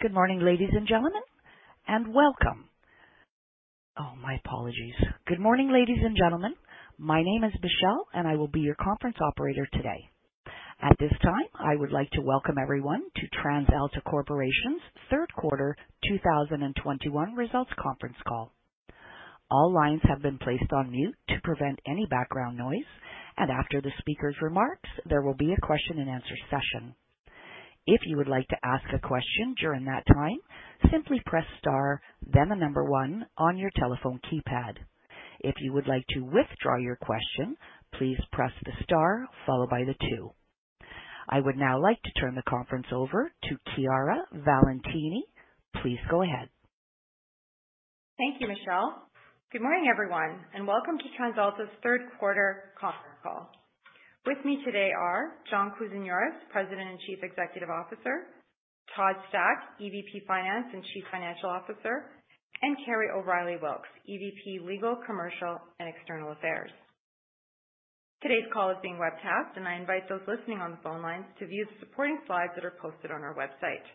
Good morning, ladies and gentlemen. My name is Michelle, and I will be your conference operator today. At this time, I would like to welcome everyone to TransAlta Corporation's third quarter 2021 results conference call. All lines have been placed on mute to prevent any background noise, and after the speaker's remarks, there will be a question and answer session. If you would like to ask a question during that time, simply press star, then one on your telephone keypad. If you would like to withdraw your question, please press star followed by two. I would now like to turn the conference over to Chiara Valentini. Please go ahead. Thank you, Michelle. Good morning, everyone, and welcome to TransAlta's third quarter conference call. With me today are John Kousinioris, President and Chief Executive Officer, Todd Stack, EVP Finance and Chief Financial Officer, and Kerry O'Reilly Wilks, EVP, Legal, Commercial, and External Affairs. Today's call is being webcast, and I invite those listening on the phone lines to view the supporting slides that are posted on our website.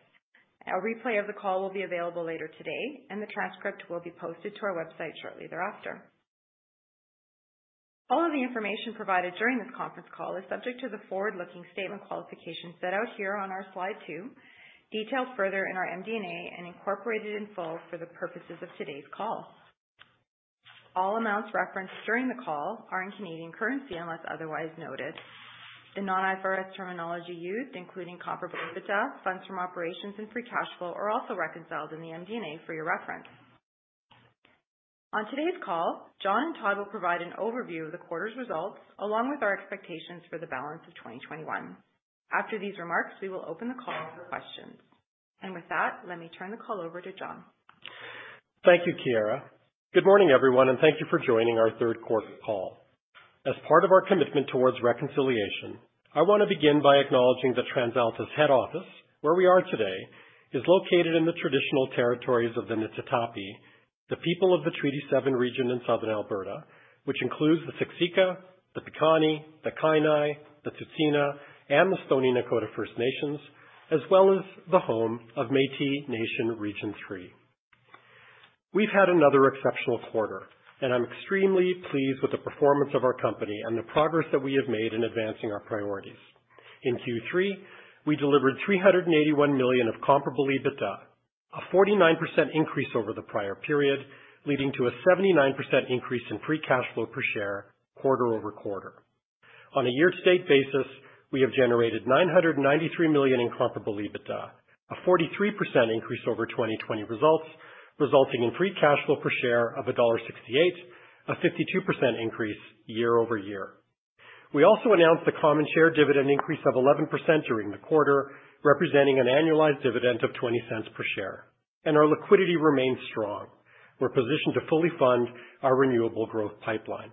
A replay of the call will be available later today, and the transcript will be posted to our website shortly thereafter. All of the information provided during this conference call is subject to the forward-looking statement qualifications set out here on our slide two, detailed further in our MD&A, and incorporated in full for the purposes of today's call. All amounts referenced during the call are in Canadian currency unless otherwise noted. The non-IFRS terminology used, including comparable EBITDA, funds from operations, and free cash flow are also reconciled in the MD&A for your reference. On today's call, John and Todd will provide an overview of the quarter's results along with our expectations for the balance of 2021. After these remarks, we will open the call for questions. With that, let me turn the call over to John. Thank you, Chiara. Good morning, everyone, and thank you for joining our third quarter call. As part of our commitment towards reconciliation, I want to begin by acknowledging that TransAlta's head office, where we are today, is located in the traditional territories of the Niitsitapi, the people of the Treaty Seven region in southern Alberta, which includes the Siksika, the Piikani, the Kainai, the Tsuut'ina, and the Stoney Nakoda First Nations, as well as the home of Métis Nation Region 3. We've had another exceptional quarter, and I'm extremely pleased with the performance of our company and the progress that we have made in advancing our priorities. In Q3, we delivered 381 million of comparable EBITDA, a 49% increase over the prior period, leading to a 79% increase in free cash flow per share quarter-over-quarter. On a year-to-date basis, we have generated 993 million in comparable EBITDA, a 43% increase over 2020 results, resulting in free cash flow per share of dollar 1.68, a 52% increase year-over-year. We also announced the common share dividend increase of 11% during the quarter, representing an annualized dividend of 0.20 per share. Our liquidity remains strong. We're positioned to fully fund our renewable growth pipeline.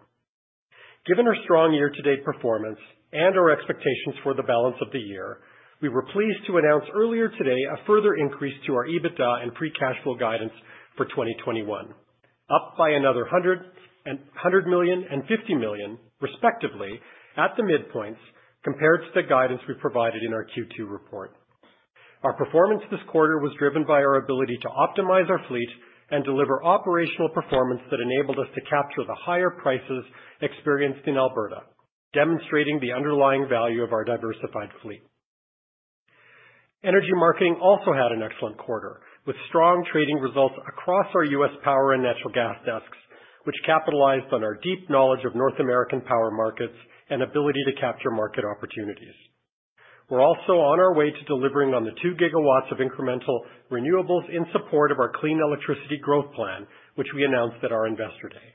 Given our strong year-to-date performance and our expectations for the balance of the year, we were pleased to announce earlier today a further increase to our EBITDA and free cash flow guidance for 2021, up by another 100 million and 50 million, respectively, at the midpoints compared to the guidance we provided in our Q2 report. Our performance this quarter was driven by our ability to optimize our fleet and deliver operational performance that enabled us to capture the higher prices experienced in Alberta, demonstrating the underlying value of our diversified fleet. Energy marketing also had an excellent quarter, with strong trading results across our U.S. power and natural gas desks, which capitalized on our deep knowledge of North American power markets and ability to capture market opportunities. We're also on our way to delivering on the 2 GW of incremental renewables in support of our clean electricity growth plan, which we announced at our Investor Day.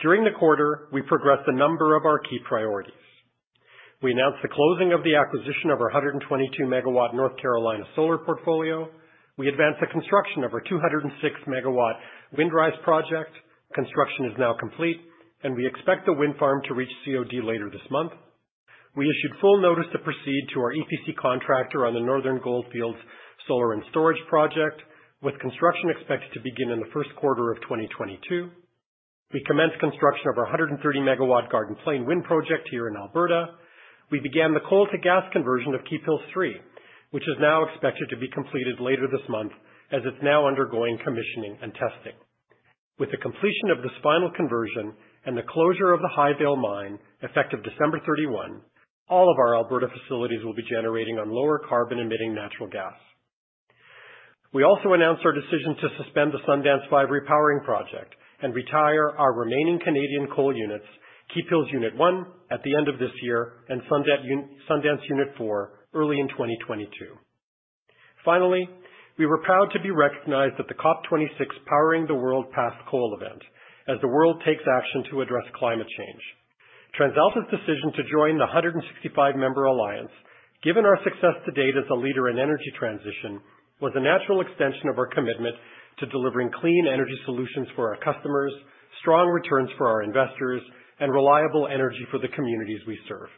During the quarter, we progressed a number of our key priorities. We announced the closing of the acquisition of our 122-MW North Carolina solar portfolio. We advanced the construction of our 206-MW Windrise project. Construction is now complete, and we expect the wind farm to reach COD later this month. We issued full notice to proceed to our EPC contractor on the Northern Goldfields solar and storage project, with construction expected to begin in the first quarter of 2022. We commenced construction of our 130 MW Garden Plain wind project here in Alberta. We began the coal to gas conversion of Keephills 3, which is now expected to be completed later this month as it's now undergoing commissioning and testing. With the completion of this final conversion and the closure of the Highvale Mine, effective December 31, all of our Alberta facilities will be generating on lower carbon-emitting natural gas. We also announced our decision to suspend the Sundance 5 repowering project and retire our remaining Canadian coal units, Keephills Unit 1 at the end of this year and Sundance Unit 4 early in 2022. Finally, we were proud to be recognized at the COP26 Powering the World Past Coal event as the world takes action to address climate change. TransAlta's decision to join the 165-member alliance, given our success to date as a leader in energy transition, was a natural extension of our commitment to delivering clean energy solutions for our customers, strong returns for our investors, and reliable energy for the communities we serve.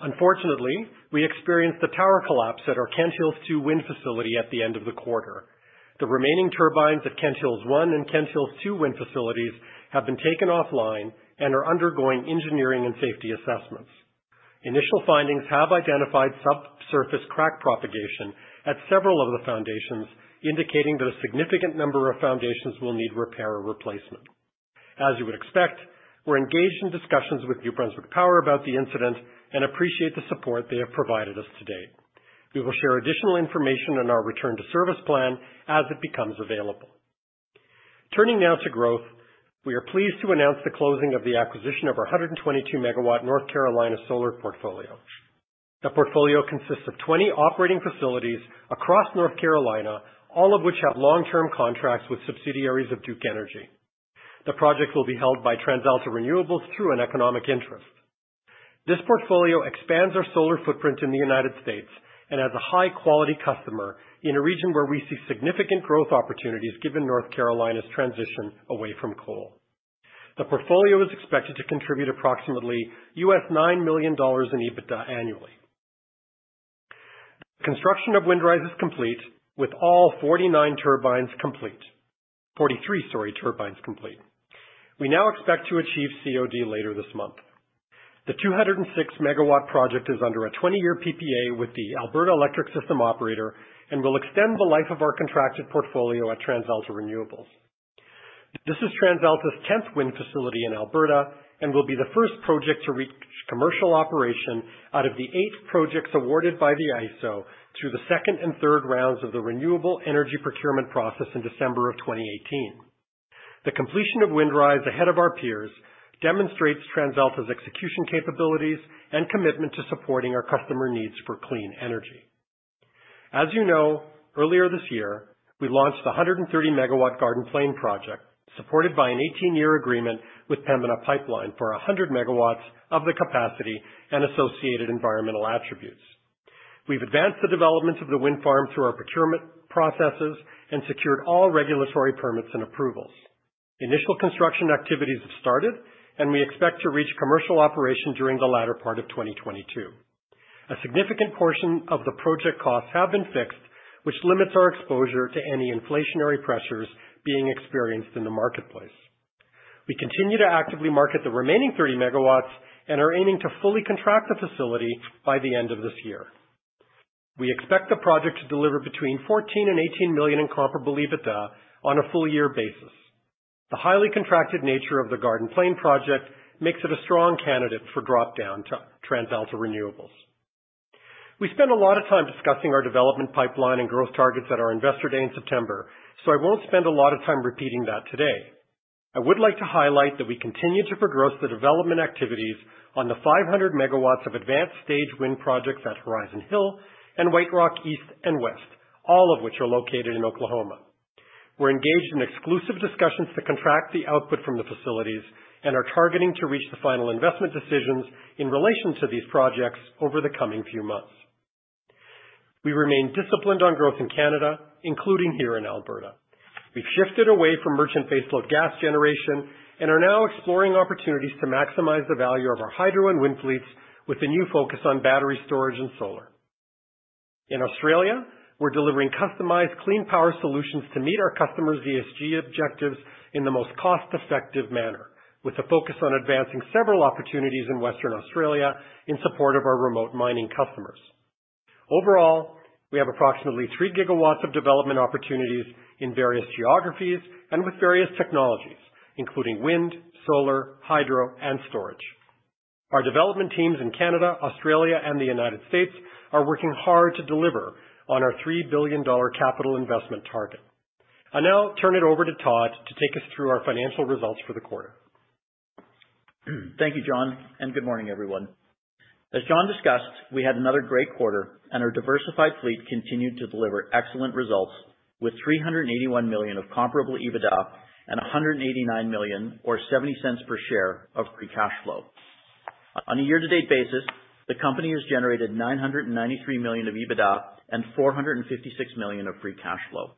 Unfortunately, we experienced a tower collapse at our Kent Hills 2 wind facility at the end of the quarter. The remaining turbines at Kent Hills 1 and Kent Hills 2 wind facilities have been taken offline and are undergoing engineering and safety assessments. Initial findings have identified subsurface crack propagation at several of the foundations, indicating that a significant number of foundations will need repair or replacement. As you would expect, we're engaged in discussions with New Brunswick Power about the incident and appreciate the support they have provided us to date. We will share additional information on our return to service plan as it becomes available. Turning now to growth, we are pleased to announce the closing of the acquisition of our 122-MW North Carolina solar portfolio. The portfolio consists of 20 operating facilities across North Carolina, all of which have long-term contracts with subsidiaries of Duke Energy. The projects will be held by TransAlta Renewables through an economic interest. This portfolio expands our solar footprint in the United States and has a high-quality customer in a region where we see significant growth opportunities given North Carolina's transition away from coal. The portfolio is expected to contribute approximately $9 million in EBITDA annually. Construction of Windrise is complete, with all 43 turbines complete. We now expect to achieve COD later this month. The 206 MW project is under a 20-year PPA with the Alberta Electric System Operator and will extend the life of our contracted portfolio at TransAlta Renewables. This is TransAlta's 10th wind facility in Alberta and will be the first project to reach commercial operation out of the eight projects awarded by the AESO through the second and third rounds of the renewable energy procurement process in December 2018. The completion of Windrise ahead of our peers demonstrates TransAlta's execution capabilities and commitment to supporting our customer needs for clean energy. As you know, earlier this year, we launched the 130-MW Garden Plain project, supported by an 18-year agreement with Pembina Pipeline for 100 MW of the capacity and associated environmental attributes. We've advanced the developments of the wind farm through our procurement processes and secured all regulatory permits and approvals. Initial construction activities have started, and we expect to reach commercial operation during the latter part of 2022. A significant portion of the project costs have been fixed, which limits our exposure to any inflationary pressures being experienced in the marketplace. We continue to actively market the remaining 30 MW and are aiming to fully contract the facility by the end of this year. We expect the project to deliver between 14 million and 18 million in comparable EBITDA on a full year basis. The highly contracted nature of the Garden Plain project makes it a strong candidate for drop-down to TransAlta Renewables. We spent a lot of time discussing our development pipeline and growth targets at our Investor Day in September, so I won't spend a lot of time repeating that today. I would like to highlight that we continue to progress the development activities on the 500 MW of advanced stage wind projects at Horizon Hill and White Rock East and West, all of which are located in Oklahoma. We're engaged in exclusive discussions to contract the output from the facilities and are targeting to reach the final investment decisions in relation to these projects over the coming few months. We remain disciplined on growth in Canada, including here in Alberta. We've shifted away from merchant baseload gas generation and are now exploring opportunities to maximize the value of our hydro and wind fleets with a new focus on battery storage and solar. In Australia, we're delivering customized clean power solutions to meet our customers' ESG objectives in the most cost-effective manner, with a focus on advancing several opportunities in Western Australia in support of our remote mining customers. Overall, we have approximately 3 GW of development opportunities in various geographies and with various technologies, including wind, solar, hydro, and storage. Our development teams in Canada, Australia, and the United States are working hard to deliver on our 3 billion dollar capital investment target. I now turn it over to Todd to take us through our financial results for the quarter. Thank you, John, and good morning, everyone. As John discussed, we had another great quarter and our diversified fleet continued to deliver excellent results with 381 million of comparable EBITDA and 189 million or 0.70 per share of free cash flow. On a year-to-date basis, the company has generated 993 million of EBITDA and 456 million of free cash flow.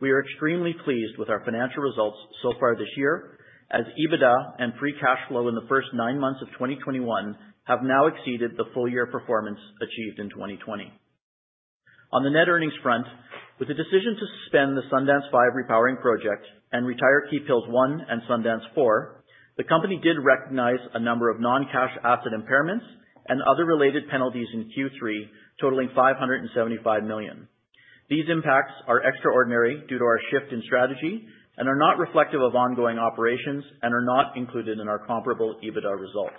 We are extremely pleased with our financial results so far this year, as EBITDA and free cash flow in the first nine months of 2021 have now exceeded the full-year performance achieved in 2020. On the net earnings front, with the decision to suspend the Sundance 5 repowering project and retire Keephills 1 and Sundance 4, the company did recognize a number of non-cash asset impairments and other related penalties in Q3 totaling 575 million. These impacts are extraordinary due to our shift in strategy and are not reflective of ongoing operations and are not included in our comparable EBITDA results.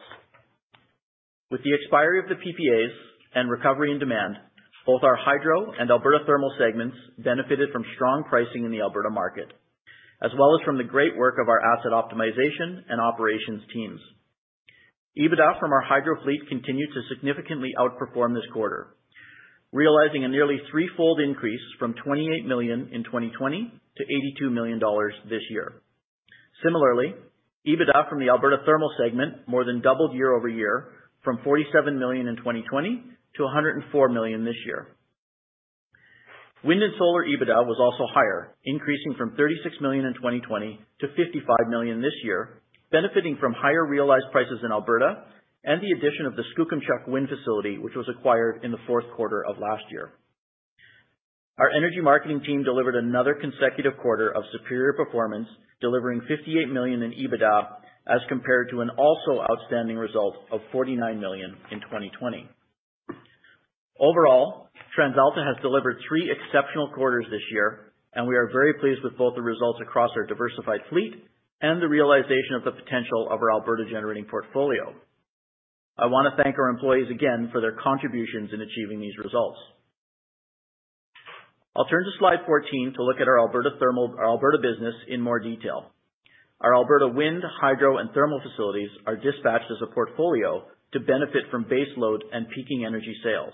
With the expiry of the PPAs and recovery and demand, both our Hydro and Alberta Thermal segments benefited from strong pricing in the Alberta market, as well as from the great work of our asset optimization and operations teams. EBITDA from our hydro fleet continued to significantly outperform this quarter, realizing a nearly threefold increase from 28 million in 2020 to 82 million dollars this year. Similarly, EBITDA from the Alberta Thermal segment more than doubled year-over-year from 47 million in 2020 to 104 million this year. Wind and solar EBITDA was also higher, increasing from 36 million in 2020 to 55 million this year. Benefiting from higher realized prices in Alberta and the addition of the Skookumchuck Wind facility, which was acquired in the fourth quarter of last year. Our energy marketing team delivered another consecutive quarter of superior performance, delivering 58 million in EBITDA as compared to an also outstanding result of 49 million in 2020. Overall, TransAlta has delivered three exceptional quarters this year, and we are very pleased with both the results across our diversified fleet and the realization of the potential of our Alberta generating portfolio. I want to thank our employees again for their contributions in achieving these results. I'll turn to slide 14 to look at our Alberta business in more detail. Our Alberta wind, hydro, and thermal facilities are dispatched as a portfolio to benefit from base load and peaking energy sales.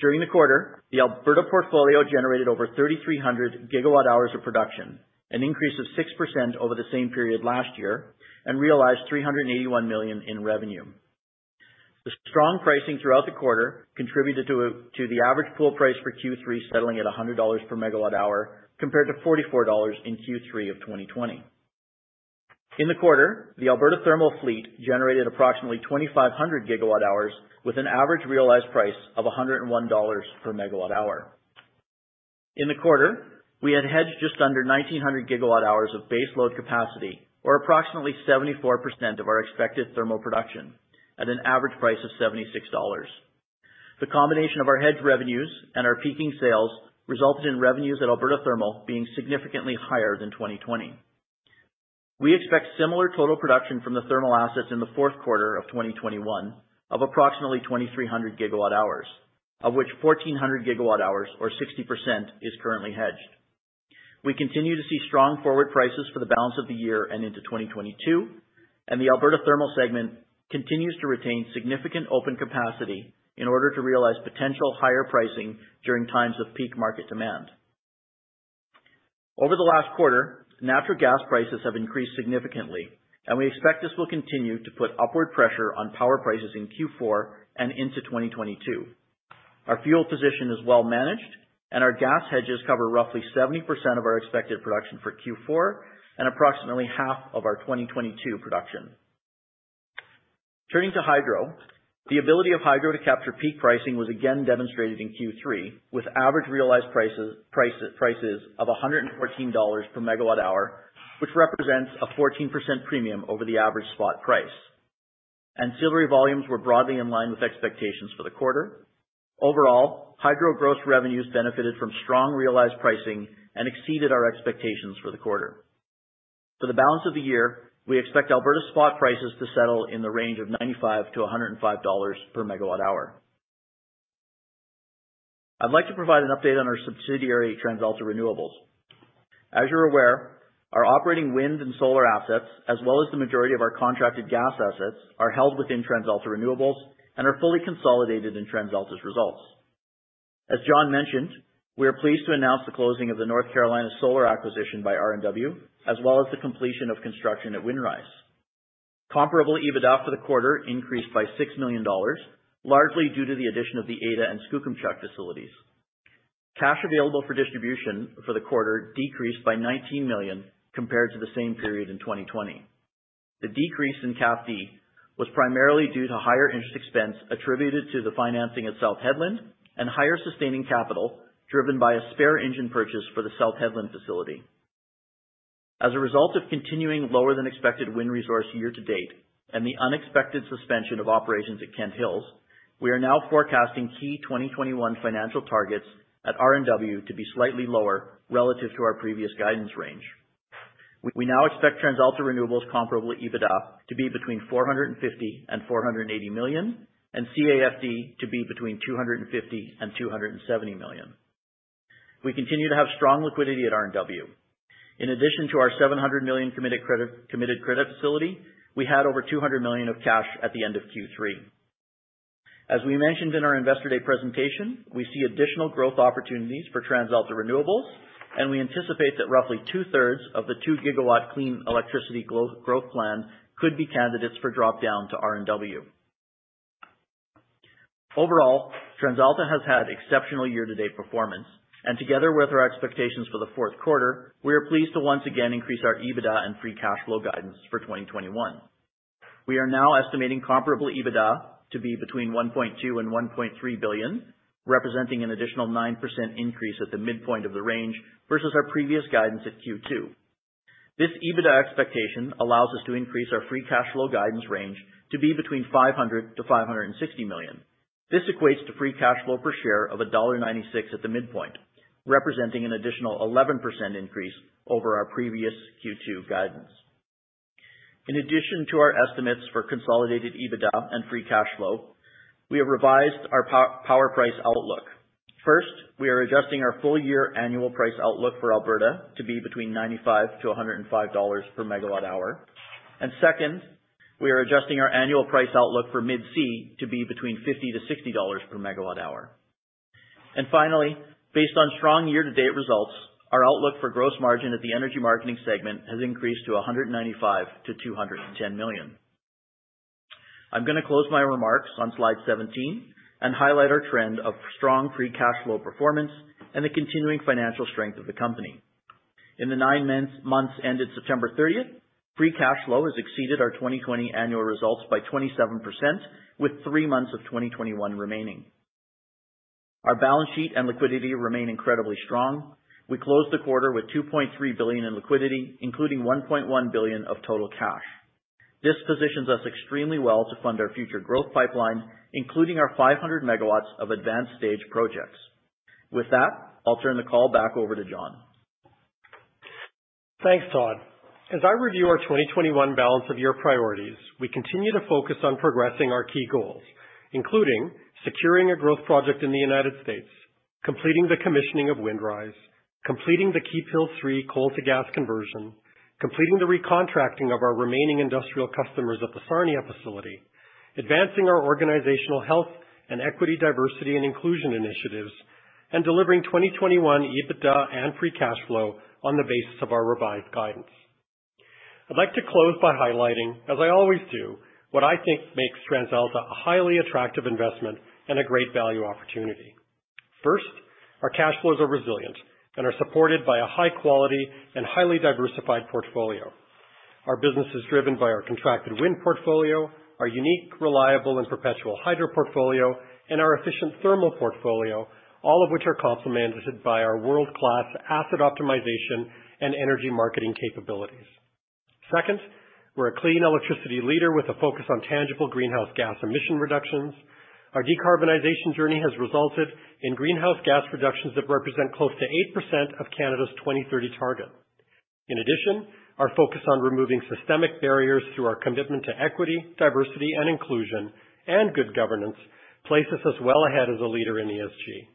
During the quarter, the Alberta portfolio generated over 3,300 GWh of production, an increase of 6% over the same period last year, and realized 381 million in revenue. The strong pricing throughout the quarter contributed to the average full price for Q3 settling at 100 dollars per MWh compared to 44 dollars in Q3 of 2020. In the quarter, the Alberta thermal fleet generated approximately 2,500 GWh with an average realized price of 101 dollars per MWh. In the quarter, we had hedged just under 1,900 GWh of base load capacity, or approximately 74% of our expected thermal production at an average price of 76 dollars. The combination of our hedged revenues and our peaking sales resulted in revenues at Alberta Thermal being significantly higher than 2020. We expect similar total production from the thermal assets in the fourth quarter of 2021 of approximately 2,300 GWh, of which 1,400 GWh or 60% is currently hedged. We continue to see strong forward prices for the balance of the year and into 2022, and the Alberta Thermal segment continues to retain significant open capacity in order to realize potential higher pricing during times of peak market demand. Over the last quarter, natural gas prices have increased significantly, and we expect this will continue to put upward pressure on power prices in Q4 and into 2022. Our fuel position is well managed and our gas hedges cover roughly 70% of our expected production for Q4 and approximately half of our 2022 production. Turning to hydro. The ability of hydro to capture peak pricing was again demonstrated in Q3, with average realized prices of 114 dollars/MWh, which represents a 14% premium over the average spot price. Ancillary volumes were broadly in line with expectations for the quarter. Overall, hydro gross revenues benefited from strong realized pricing and exceeded our expectations for the quarter. For the balance of the year, we expect Alberta spot prices to settle in the range of 95-105 dollars per MWh. I'd like to provide an update on our subsidiary, TransAlta Renewables. As you're aware, our operating wind and solar assets, as well as the majority of our contracted gas assets, are held within TransAlta Renewables and are fully consolidated in TransAlta's results. As John mentioned, we are pleased to announce the closing of the North Carolina Solar acquisition by RNW, as well as the completion of construction at Windrise. Comparable EBITDA for the quarter increased by 6 million dollars, largely due to the addition of the Ada and Skookumchuck facilities. Cash available for distribution for the quarter decreased by 19 million compared to the same period in 2020. The decrease in CAFD was primarily due to higher interest expense attributed to the financing at South Hedland and higher sustaining capital driven by a spare engine purchase for the South Hedland facility. As a result of continuing lower than expected wind resource year to date and the unexpected suspension of operations at Kent Hills, we are now forecasting key 2021 financial targets at RNW to be slightly lower relative to our previous guidance range. We now expect TransAlta Renewables comparable EBITDA to be between 450 million and 480 million and CAFD to be between 250 million and 270 million. We continue to have strong liquidity at RNW. In addition to our 700 million committed credit facility, we had over 200 million of cash at the end of Q3. As we mentioned in our Investor Day presentation, we see additional growth opportunities for TransAlta Renewables, and we anticipate that roughly two-thirds of the 2 GW clean electricity growth plan could be candidates for drop down to RNW. Overall, TransAlta has had exceptional year-to-date performance. Together with our expectations for the fourth quarter, we are pleased to once again increase our EBITDA and free cash flow guidance for 2021. We are now estimating comparable EBITDA to be between 1.2 billion and 1.3 billion, representing an additional 9% increase at the midpoint of the range versus our previous guidance at Q2. This EBITDA expectation allows us to increase our free cash flow guidance range to be between 500 million and 560 million. This equates to free cash flow per share of dollar 1.96 at the midpoint, representing an additional 11% increase over our previous Q2 guidance. In addition to our estimates for consolidated EBITDA and free cash flow, we have revised our power price outlook. First, we are adjusting our full year annual price outlook for Alberta to be between 95-105 dollars per MWh. Second, we are adjusting our annual price outlook for Mid-C to be between 50-60 dollars per MWh. Finally, based on strong year-to-date results, our outlook for gross margin at the energy marketing segment has increased to 195 million-210 million. I'm gonna close my remarks on slide 17 and highlight our trend of strong free cash flow performance and the continuing financial strength of the company. In the nine months ended September 30, free cash flow has exceeded our 2020 annual results by 27%, with three months of 2021 remaining. Our balance sheet and liquidity remain incredibly strong. We closed the quarter with 2.3 billion in liquidity, including 1.1 billion of total cash. This positions us extremely well to fund our future growth pipeline, including our 500 MW of advanced stage projects. With that, I'll turn the call back over to John. Thanks, Todd. As I review our 2021 balance of year priorities, we continue to focus on progressing our key goals, including securing a growth project in the United States, completing the commissioning of Windrise, completing the Keephills 3 coal-to-gas conversion, completing the recontracting of our remaining industrial customers at the Sarnia facility, advancing our organizational health and equity, diversity, and inclusion initiatives, and delivering 2021 EBITDA and free cash flow on the basis of our revised guidance. I'd like to close by highlighting, as I always do, what I think makes TransAlta a highly attractive investment and a great value opportunity. First, our cash flows are resilient and are supported by a high quality and highly diversified portfolio. Our business is driven by our contracted wind portfolio, our unique, reliable and perpetual hydro portfolio, and our efficient thermal portfolio, all of which are complemented by our world-class asset optimization and energy marketing capabilities. Second, we're a clean electricity leader with a focus on tangible greenhouse gas emission reductions. Our decarbonization journey has resulted in greenhouse gas reductions that represent close to 8% of Canada's 2030 target. In addition, our focus on removing systemic barriers through our commitment to equity, diversity and inclusion and good governance places us well ahead as a leader in ESG.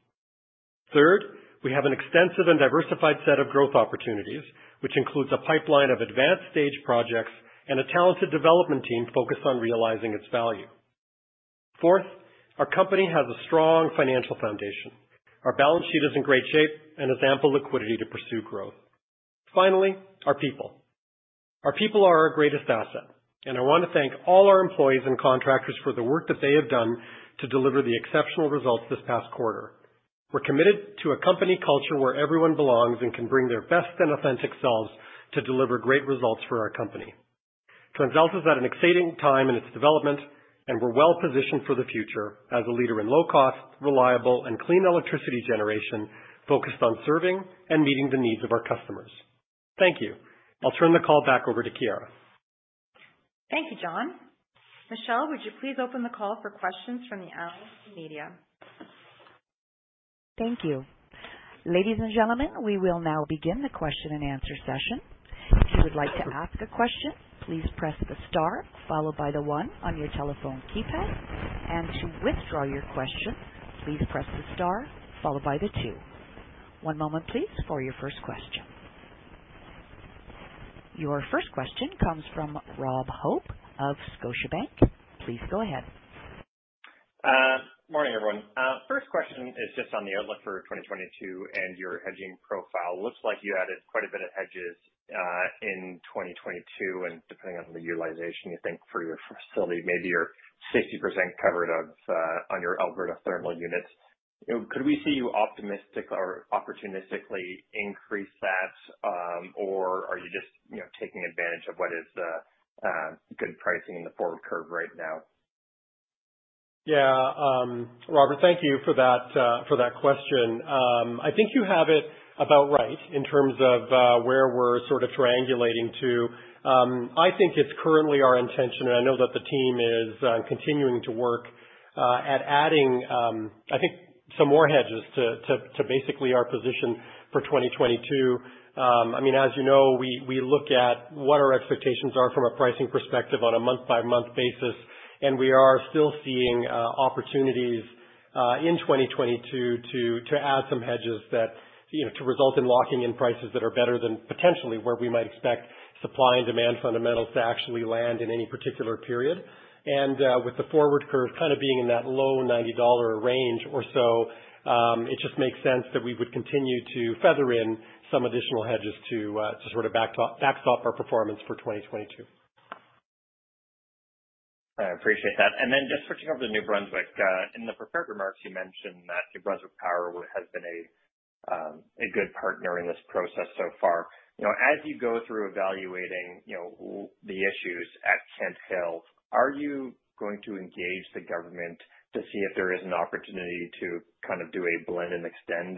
Third, we have an extensive and diversified set of growth opportunities, which includes a pipeline of advanced stage projects and a talented development team focused on realizing its value. Fourth, our company has a strong financial foundation. Our balance sheet is in great shape and has ample liquidity to pursue growth. Finally, our people. Our people are our greatest asset, and I want to thank all our employees and contractors for the work that they have done to deliver the exceptional results this past quarter. We're committed to a company culture where everyone belongs and can bring their best and authentic selves to deliver great results for our company. TransAlta is at an exciting time in its development, and we're well-positioned for the future as a leader in low cost, reliable and clean electricity generation focused on serving and meeting the needs of our customers. Thank you. I'll turn the call back over to Chiara. Thank you, John. Michelle, would you please open the call for questions from the analysts and media? Thank you. Ladies and gentlemen, we will now begin the question and answer session. If you would like to ask a question, please press the star followed by the one on your telephone keypad. To withdraw your question, please press the star followed by the two. One moment please, for your first question. Your first question comes from Rob Hope of Scotiabank. Please go ahead. Morning, everyone. First question is just on the outlook for 2022 and your hedging profile. Looks like you added quite a bit of hedges in 2022. Depending on the utilization, you think for your facility, maybe you're 60% covered off on your Alberta thermal units. Could we see you optimistic or opportunistically increase that? Or are you just, you know, taking advantage of what is good pricing in the forward curve right now? Yeah, Robert, thank you for that, for that question. I think you have it about right in terms of where we're sort of triangulating to. I think it's currently our intention, and I know that the team is continuing to work at adding, I think some more hedges to basically our position for 2022. I mean, as you know, we look at what our expectations are from a pricing perspective on a month-by-month basis. We are still seeing opportunities in 2022 to add some hedges that, you know, to result in locking in prices that are better than potentially where we might expect supply and demand fundamentals to actually land in any particular period. With the forward curve kind of being in that low 90 dollar range or so, it just makes sense that we would continue to feather in some additional hedges to sort of backstop our performance for 2022. I appreciate that. Just switching over to New Brunswick. In the prepared remarks, you mentioned that New Brunswick Power has been a good partner in this process so far. You know, as you go through evaluating, you know, the issues at Kent Hills, are you going to engage the government to see if there is an opportunity to kind of do a blend and extend?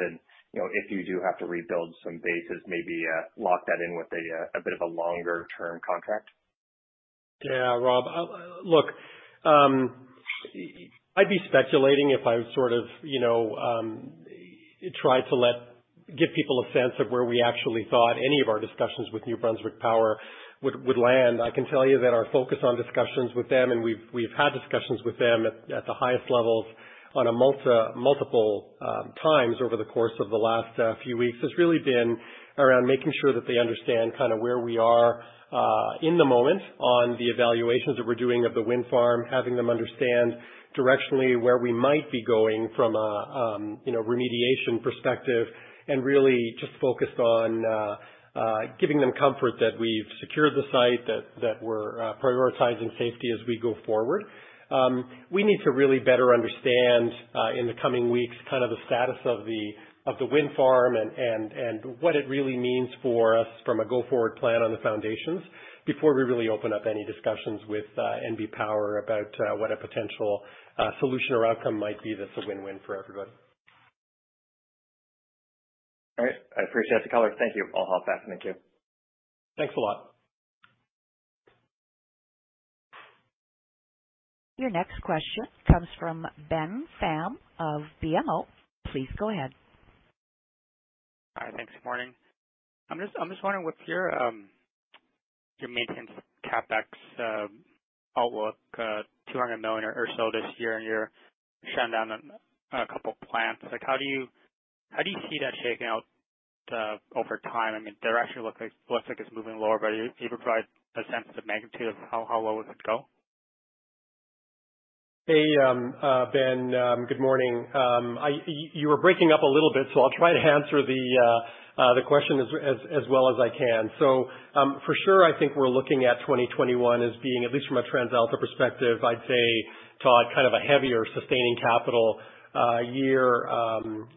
You know, if you do have to rebuild some bases, maybe lock that in with a bit of a longer-term contract? Yeah, Rob, I'd be speculating if I sort of, you know, give people a sense of where we actually thought any of our discussions with New Brunswick Power would land. I can tell you that our focus on discussions with them, and we've had discussions with them at the highest levels on multiple times over the course of the last few weeks, has really been around making sure that they understand kind of where we are in the moment on the evaluations that we're doing of the wind farm, having them understand directionally where we might be going from a, you know, remediation perspective, and really just focused on giving them comfort that we've secured the site, that we're prioritizing safety as we go forward. We need to really better understand in the coming weeks kind of the status of the wind farm and what it really means for us from a go-forward plan on the foundations before we really open up any discussions with NB Power about what a potential solution or outcome might be that's a win-win for everybody. All right. I appreciate the color. Thank you. I'll hop back. Thank you. Thanks a lot. Your next question comes from Ben Pham of BMO. Please go ahead. All right. Thanks. Morning. I'm just wondering what your maintenance CapEx outlook, 200 million or so this year, and you're shutting down a couple plants. Like how do you see that shaking out over time? I mean, direction looks like it's moving lower, but can you provide a sense of magnitude of how low would it go? Hey, Ben, good morning. You were breaking up a little bit, so I'll try to answer the question as well as I can. For sure, I think we're looking at 2021 as being, at least from a TransAlta perspective, I'd say, Todd, kind of a heavier sustaining capital year.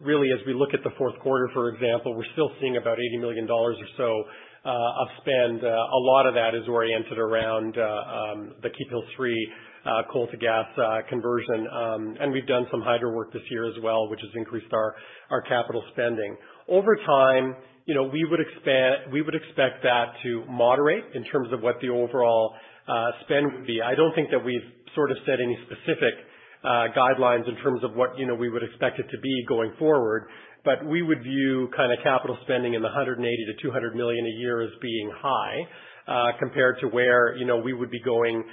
Really, as we look at the fourth quarter, for example, we're still seeing about 80 million dollars or so of spend. A lot of that is oriented around the Keephills 3 coal to gas conversion. We've done some hydro work this year as well, which has increased our capital spending. Over time, you know, we would expect that to moderate in terms of what the overall spend would be. I don't think that we've sort of set any specific guidelines in terms of what, you know, we would expect it to be going forward. We would view kind of capital spending in the 180 million-200 million a year as being high compared to where, you know, we would be going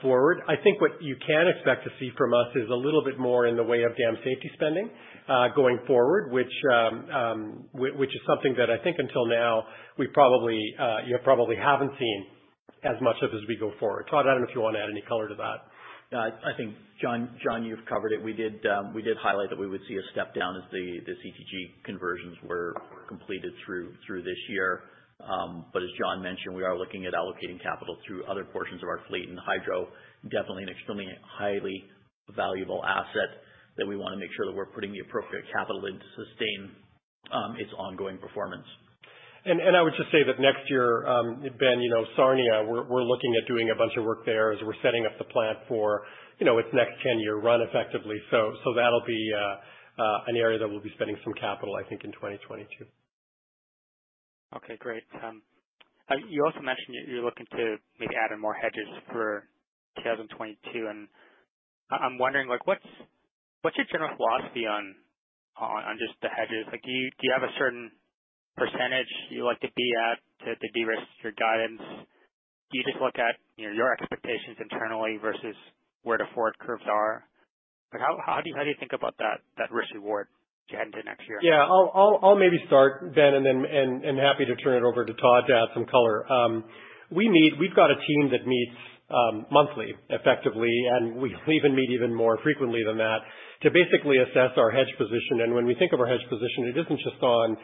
forward. I think what you can expect to see from us is a little bit more in the way of dam safety spending going forward, which is something that I think until now we probably, you probably haven't seen as much of as we go forward. Todd, I don't know if you want to add any color to that. Yeah. I think, John, you've covered it. We did highlight that we would see a step down as the CTG conversions were completed through this year. But as John mentioned, we are looking at allocating capital through other portions of our fleet and hydro, definitely an extremely highly valuable asset that we want to make sure that we're putting the appropriate capital in to sustain its ongoing performance. I would just say that next year, Ben, you know, Sarnia, we're looking at doing a bunch of work there as we're setting up the plant for, you know, its next 10-year run effectively. That'll be an area that we'll be spending some capital, I think, in 2022. Okay, great. You also mentioned you're looking to maybe add in more hedges for 2022. I'm wondering, like, what's your general philosophy on just the hedges? Like, do you have a certain percentage you like to be at to de-risk your guidance? Do you just look at, you know, your expectations internally versus where the forward curves are? Like, how do you think about that risk reward heading to next year? Yeah, I'll maybe start, Ben, and then happy to turn it over to Todd to add some color. We've got a team that meets monthly effectively, and we even meet more frequently than that to basically assess our hedge position. When we think of our hedge position, it isn't just on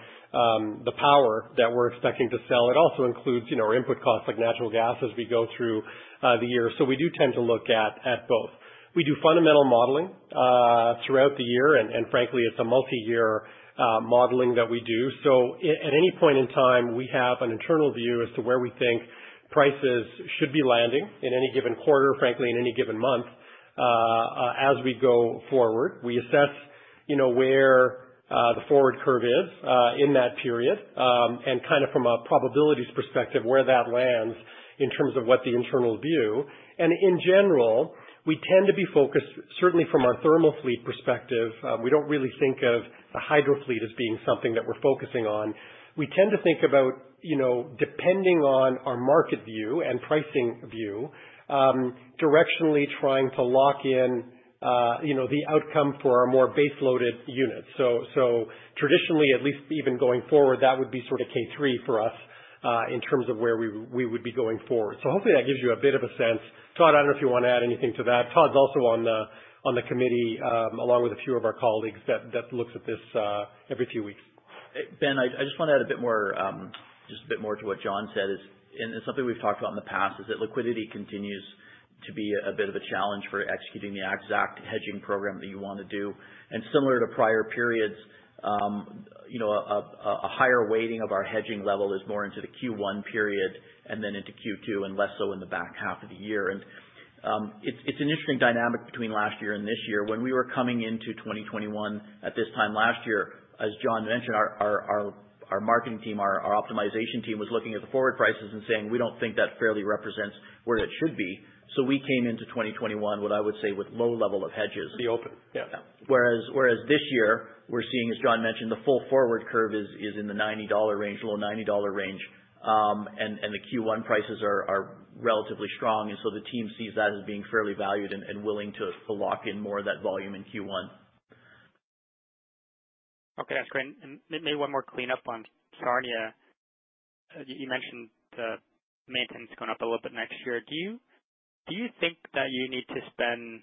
the power that we're expecting to sell. It also includes, you know, our input costs like natural gas as we go through the year. We do tend to look at both. We do fundamental modeling throughout the year. Frankly, it's a multi-year modeling that we do. At any point in time, we have an internal view as to where we think prices should be landing in any given quarter, frankly, in any given month, as we go forward. We assess, you know, where the forward curve is in that period, and kind of from a probabilities perspective, where that lands in terms of what the internal view. In general, we tend to be focused, certainly from our thermal fleet perspective, we don't really think of the hydro fleet as being something that we're focusing on. We tend to think about, you know, depending on our market view and pricing view, directionally trying to lock in, you know, the outcome for our more base loaded units. Traditionally, at least even going forward, that would be sort of Keephills 3 for us in terms of where we would be going forward. Hopefully that gives you a bit of a sense. Todd, I don't know if you want to add anything to that. Todd's also on the committee, along with a few of our colleagues that looks at this every few weeks. Ben, I just want to add a bit more, just a bit more to what John said, and it's something we've talked about in the past, is that liquidity continues to be a bit of a challenge for executing the exact hedging program that you want to do. Similar to prior periods, you know, a higher weighting of our hedging level is more into the Q1 period and then into Q2 and less so in the back half of the year. It's an interesting dynamic between last year and this year. When we were coming into 2021 at this time last year, as John mentioned, our marketing team, our optimization team was looking at the forward prices and saying, we don't think that fairly represents where that should be. We came into 2021, what I would say, with low level of hedges. Yeah. Whereas this year we're seeing, as John mentioned, the full forward curve is in the CAD 90 range, low 90 dollar range. The Q1 prices are relatively strong. The team sees that as being fairly valued and willing to lock in more of that volume in Q1. Okay, that's great. Maybe one more cleanup on Sarnia. You mentioned the maintenance going up a little bit next year. Do you think that you need to spend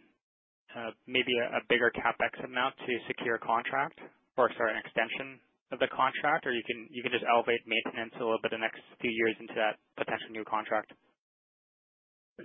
maybe a bigger CapEx amount to secure a contract or sorry, an extension of the contract? Or you can just elevate maintenance a little bit the next few years into that potential new contract?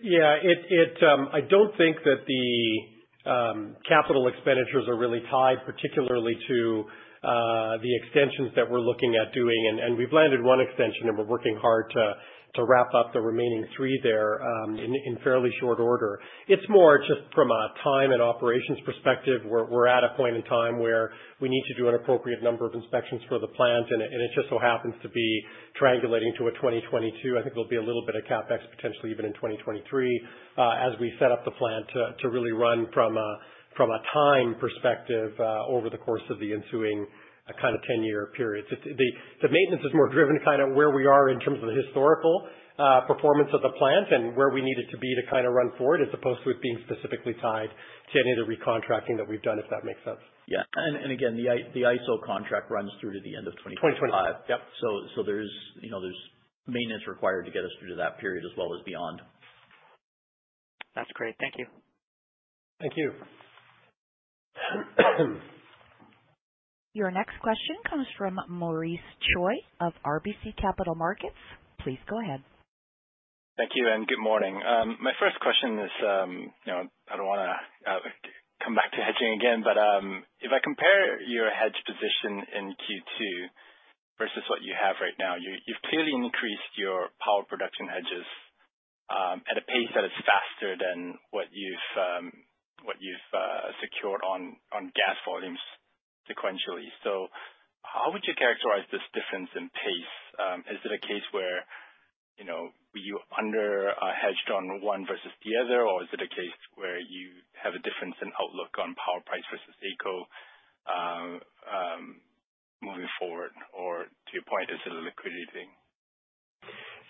Yeah, I don't think that the capital expenditures are really tied particularly to the extensions that we're looking at doing, and we've landed one extension and we're working hard to wrap up the remaining three there in fairly short order. It's more just from a time and operations perspective. We're at a point in time where we need to do an appropriate number of inspections for the plant, and it just so happens to be triangulating to 2022. I think there'll be a little bit of CapEx potentially even in 2023 as we set up the plant to really run from a time perspective over the course of the ensuing kind of 10-year period. The maintenance is more driven kind of where we are in terms of the historical performance of the plant and where we need it to be to kind of run forward as opposed to it being specifically tied to any of the recontracting that we've done, if that makes sense. Yeah. Again, the AESO contract runs through to the end of 2025. There's, you know, maintenance required to get us through to that period as well as beyond. That's great. Thank you. Thank you. Your next question comes from Maurice Choy of RBC Capital Markets. Please go ahead. Thank you, and good morning. My first question is, you know, I don't wanna come back to hedging again, but if I compare your hedge position in Q2 versus what you have right now, you've clearly increased your power production hedges at a pace that is faster than what you've secured on gas volumes sequentially. How would you characterize this difference in pace? Is it a case where, you know, you under hedged on one versus the other? Or is it a case where you have a difference in outlook on power price versus AECO moving forward? Or to your point, is it a liquidity thing?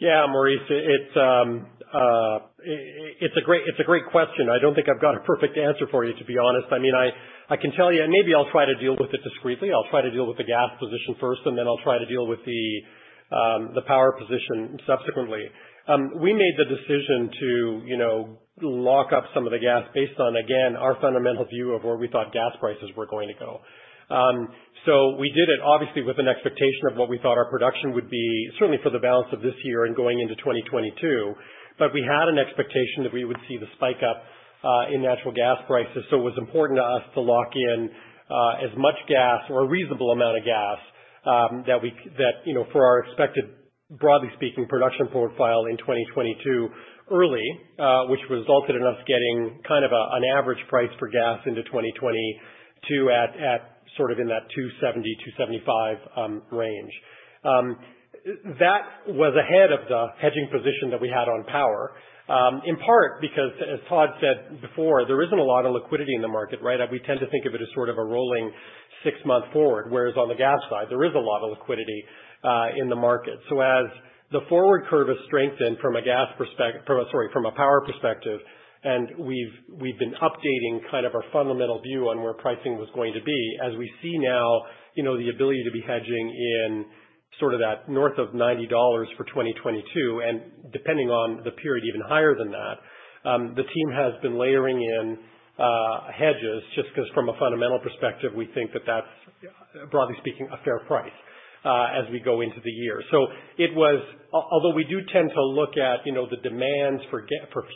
Yeah, Maurice, it's a great question. I don't think I've got a perfect answer for you, to be honest. I mean, I can tell you. Maybe I'll try to deal with it discreetly. I'll try to deal with the gas position first, and then I'll try to deal with the power position subsequently. We made the decision to, you know, lock up some of the gas based on, again, our fundamental view of where we thought gas prices were going to go. We did it obviously with an expectation of what we thought our production would be, certainly for the balance of this year and going into 2022. We had an expectation that we would see the spike up in natural gas prices, so it was important to us to lock in as much gas or a reasonable amount of gas that, you know, for our expected, broadly speaking, production profile in 2022 early, which resulted in us getting kind of an average price for gas into 2022 at sort of in that 2.70-2.75 range. That was ahead of the hedging position that we had on power in part, because as Todd said before, there isn't a lot of liquidity in the market, right? We tend to think of it as sort of a rolling six-month forward, whereas on the gas side, there is a lot of liquidity in the market. As the forward curve has strengthened from a power perspective, and we've been updating kind of our fundamental view on where pricing was going to be. As we see now, you know, the ability to be hedging in sort of that north of 90 dollars for 2022, and depending on the period, even higher than that. The team has been layering in hedges just 'cause from a fundamental perspective, we think that that's, broadly speaking, a fair price, as we go into the year. Although we do tend to look at, you know, the demands for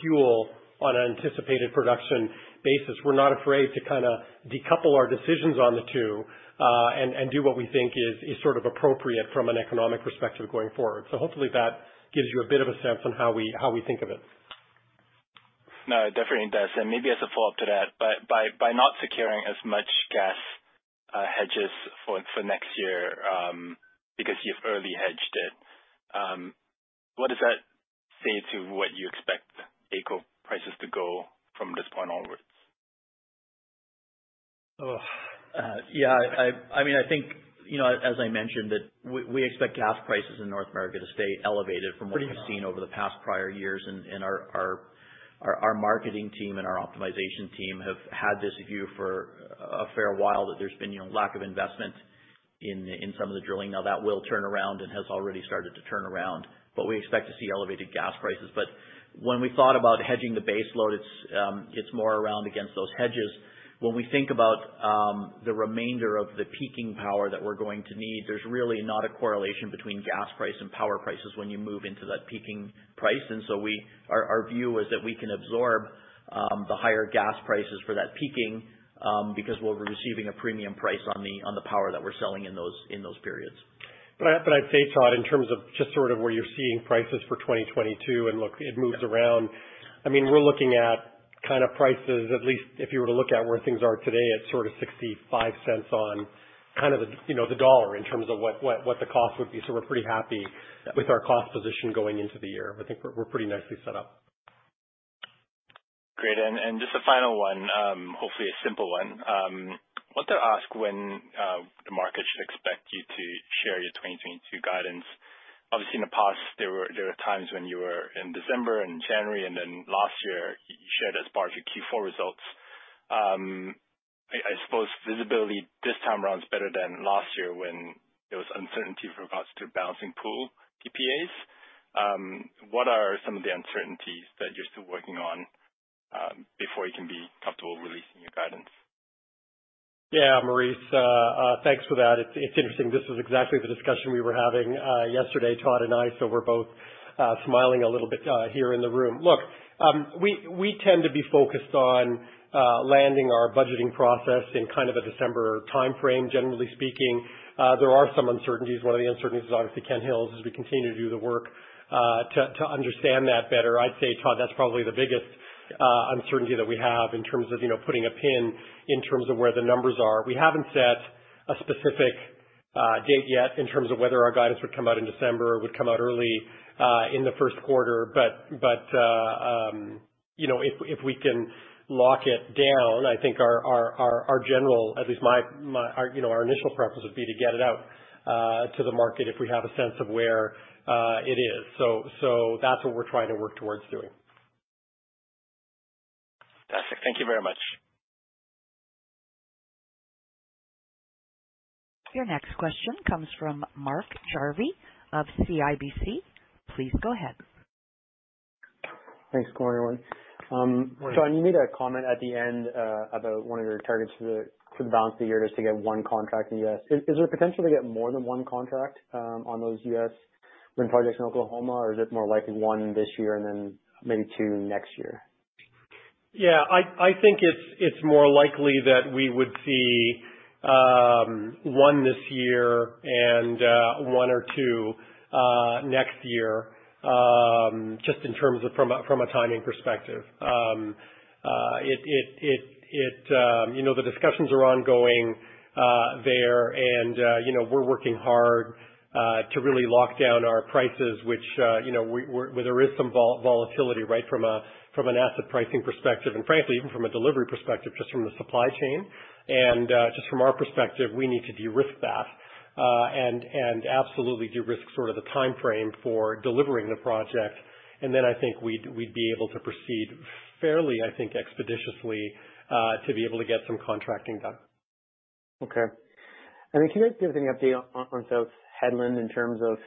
fuel on an anticipated production basis, we're not afraid to kinda decouple our decisions on the two, and do what we think is sort of appropriate from an economic perspective going forward. Hopefully that gives you a bit of a sense on how we think of it. No, it definitely does. Maybe as a follow-up to that, by not securing as much gas hedges for next year, because you've already hedged it, what does that say to what you expect AECO prices to go from this point onwards? Oh, yeah. I mean, I think, you know, as I mentioned that we expect gas prices in North America to stay elevated. From what we've seen over the past prior years. Our marketing team and our optimization team have had this view for a fair while, that there's been, you know, lack of investment in some of the drilling. Now, that will turn around and has already started to turn around, but we expect to see elevated gas prices. When we thought about hedging the base load, it's more around against those hedges. When we think about the remainder of the peaking power that we're going to need, there's really not a correlation between gas price and power prices when you move into that peaking price. Our view is that we can absorb the higher gas prices for that peaking because we'll be receiving a premium price on the power that we're selling in those periods. I'd say, Todd, in terms of just sort of where you're seeing prices for 2022, and look, it moves around. I mean, we're looking at kind of prices, at least if you were to look at where things are today at sort of 65 cents on kind of the, you know, the dollar in terms of what the cost would be. We're pretty happy with our cost position going into the year. I think we're pretty nicely set up. Great. Just a final one, hopefully a simple one. Wanted to ask when the market should expect you to share your 2022 guidance. Obviously, in the past, there were times when you were in December and January, and then last year you shared as part of your Q4 results. I suppose visibility this time around is better than last year when there was uncertainty with regards to balancing pool TPAs. What are some of the uncertainties that you're still working on before you can be comfortable releasing your guidance? Yeah, Maurice, thanks for that. It's interesting. This is exactly the discussion we were having yesterday, Todd and I, so we're both smiling a little bit here in the room. Look, we tend to be focused on landing our budgeting process in kind of a December timeframe, generally speaking. There are some uncertainties. One of the uncertainties is obviously Kent Hills, as we continue to do the work to understand that better. I'd say, Todd, that's probably the biggest uncertainty that we have in terms of, you know, putting a pin in terms of where the numbers are. We haven't set a specific date yet in terms of whether our guidance would come out in December or would come out early in the first quarter. You know, if we can lock it down, I think our general, at least my our initial preference would be to get it out to the market if we have a sense of where it is. That's what we're trying to work towards doing. Fantastic. Thank you very much. Your next question comes from Mark Jarvi of CIBC. Please go ahead. Thanks. Good morning, everyone. Morning. John, you made a comment at the end about one of your targets for the balance of the year just to get one contract in U.S. Is there potential to get more than one contract on those U.S. wind projects in Oklahoma? Or is it more likely one this year and then maybe two next year? Yeah, I think it's more likely that we would see one this year and one or two next year, just in terms of from a timing perspective. You know, the discussions are ongoing there and you know, we're working hard to really lock down our prices, which you know where there is some volatility, right, from an asset pricing perspective, and frankly, even from a delivery perspective, just from the supply chain. Just from our perspective, we need to de-risk that and absolutely de-risk sort of the timeframe for delivering the project. Then I think we'd be able to proceed fairly, I think, expeditiously to be able to get some contracting done. Okay. Can you guys give any update on South Hedland in terms of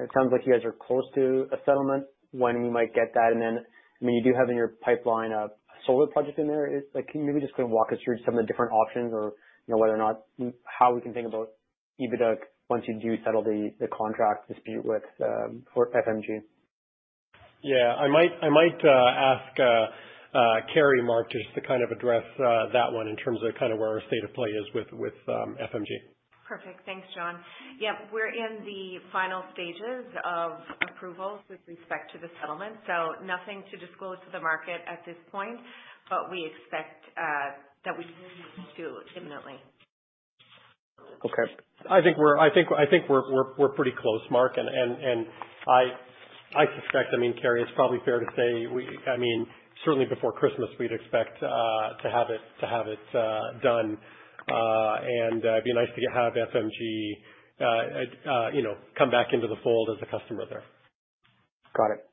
it sounds like you guys are close to a settlement, when we might get that? Then, I mean, you do have in your pipeline a solar project in there. Can you maybe just kind of walk us through some of the different options or, you know, whether or not how we can think about EBITDA once you do settle the contract dispute with FMG? Yeah, I might ask Carrie, Mark, just to kind of address that one in terms of kind of where our state of play is with FMG. Perfect. Thanks, John. Yeah. We're in the final stages of approvals with respect to the settlement, so nothing to disclose to the market at this point, but we expect that we do imminently. Okay. I think we're pretty close, Mark, and I suspect, I mean, Carrie, it's probably fair to say we. I mean, certainly before Christmas, we'd expect to have it done. And it'd be nice to have FMG, you know, come back into the fold as a customer there. Got it.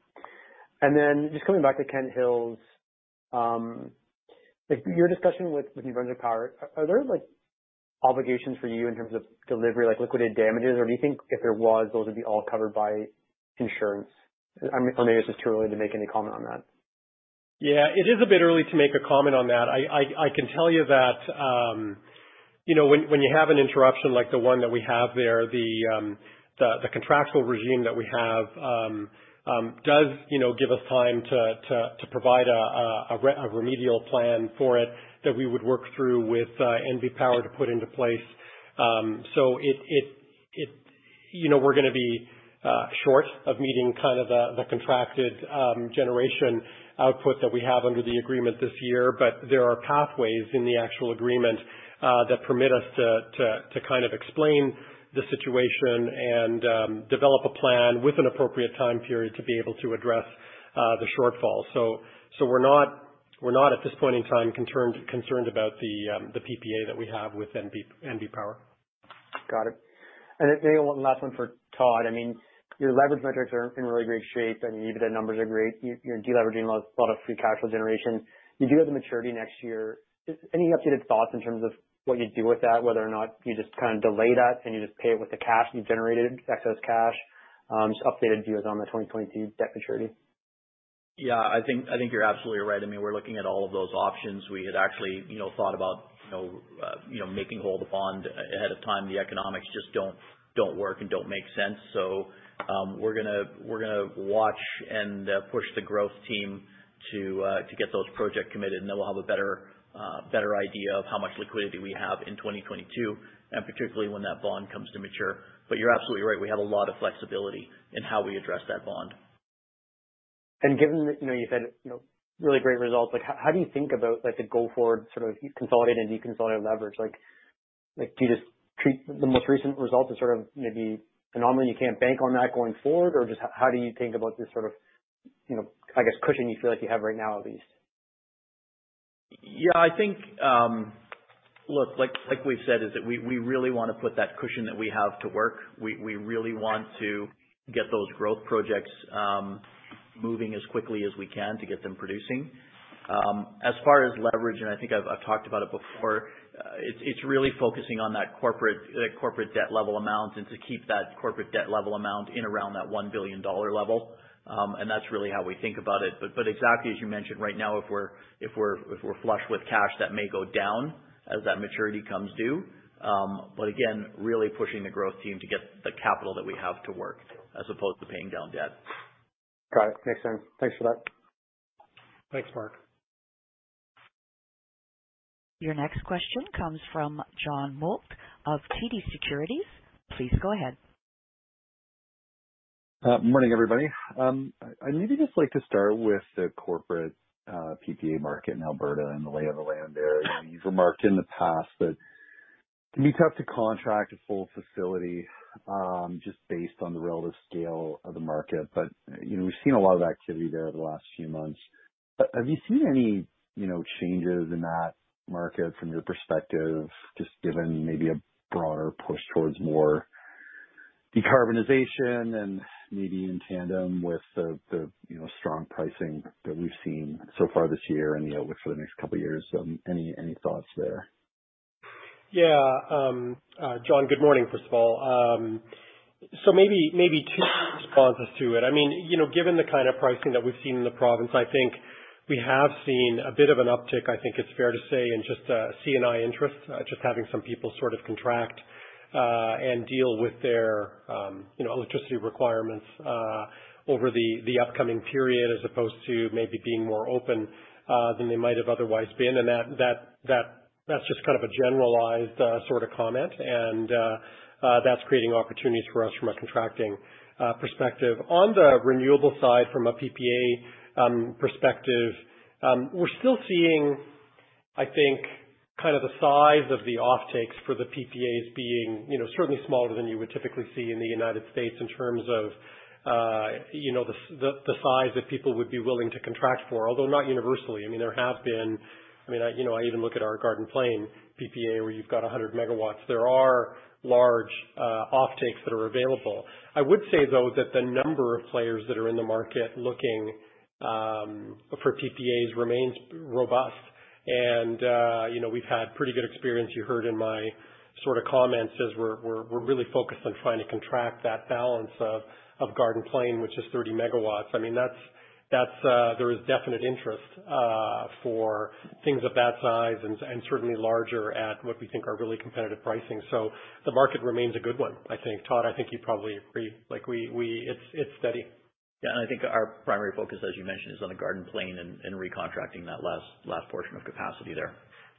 Just coming back to Kent Hills, like, your discussion with NB Power, are there like obligations for you in terms of delivery, like liquidated damages? Or do you think if there was, those would be all covered by insurance? I mean, or maybe it's just too early to make any comment on that. Yeah, it is a bit early to make a comment on that. I can tell you that, you know, when you have an interruption like the one that we have there, the contractual regime that we have, you know, does give us time to provide a remedial plan for it that we would work through with NB Power to put into place. So it. You know, we're gonna be short of meeting kind of the contracted generation output that we have under the agreement this year. But there are pathways in the actual agreement that permit us to kind of explain the situation and develop a plan with an appropriate time period to be able to address the shortfall. We're not at this point in time concerned about the PPA that we have with NB Power. Got it. One last one for Todd. I mean, your leverage metrics are in really great shape. I mean, even the numbers are great. You, you're de-leveraging a lot of free cash flow generation. You do have the maturity next year. Just any updated thoughts in terms of what you do with that, whether or not you just kind of delay that and you just pay it with the cash you generated, excess cash? Just updated views on the 2022 debt maturity. Yeah, I think you're absolutely right. I mean, we're looking at all of those options. We had actually thought about making whole the bond ahead of time. The economics just don't work and don't make sense. We're gonna watch and push the growth team to get those projects committed, and then we'll have a better idea of how much liquidity we have in 2022, and particularly when that bond comes to mature. You're absolutely right. We have a lot of flexibility in how we address that bond. Given that, you know, you've had, you know, really great results, like how do you think about like the go forward, sort of consolidated and de-consolidated leverage? Like do you just treat the most recent results as sort of maybe an anomaly and you can't bank on that going forward? Or just how do you think about this sort of, you know, I guess, cushion you feel like you have right now, at least? Yeah, I think, look, like we've said is that we really want to put that cushion that we have to work. We really want to get those growth projects, moving as quickly as we can to get them producing. As far as leverage, I think I've talked about it before, it's really focusing on that corporate debt level amount and to keep that corporate debt level amount in around that 1 billion dollar level. And that's really how we think about it. Exactly as you mentioned, right now if we're flush with cash, that may go down as that maturity comes due. Again, really pushing the growth team to get the capital that we have to work as opposed to paying down debt. Got it. Makes sense. Thanks for that. Thanks, Mark. Your next question comes from John Mould of TD Securities. Please go ahead. Morning, everybody. I'd maybe just like to start with the corporate PPA market in Alberta and the lay of the land there. You know, you've remarked in the past that it can be tough to contract a full facility, just based on the relative scale of the market, but, you know, we've seen a lot of activity there the last few months. Have you seen any, you know, changes in that market from your perspective, just given maybe a broader push towards more decarbonization and maybe in tandem with the, you know, strong pricing that we've seen so far this year and the outlook for the next couple of years? Any thoughts there? Yeah. John, good morning, first of all. So maybe two responses to it. I mean, you know, given the kind of pricing that we've seen in the province, I think we have seen a bit of an uptick, I think it's fair to say, in just C&I interest. Just having some people sort of contract and deal with their, you know, electricity requirements over the upcoming period, as opposed to maybe being more open than they might have otherwise been. That's just kind of a generalized sort of comment. That's creating opportunities for us from a contracting perspective. On the renewable side from a PPA perspective, we're still seeing, I think, kind of the size of the offtakes for the PPAs being, you know, certainly smaller than you would typically see in the United States in terms of, you know, the size that people would be willing to contract for. Although not universally. I mean, you know, I even look at our Garden Plain PPA where you've got 100 MW. There are large offtakes that are available. I would say, though, that the number of players that are in the market looking for PPAs remains robust. You know, we've had pretty good experience, you heard in my sort of comments, as we're really focused on trying to contract that balance of Garden Plain, which is 30 MW. I mean, there is definite interest for things of that size and certainly larger at what we think are really competitive pricing. The market remains a good one, I think. Todd, I think you probably agree. Like, it's steady. Yeah. I think our primary focus, as you mentioned, is on the Garden Plain and recontracting that last portion of capacity there.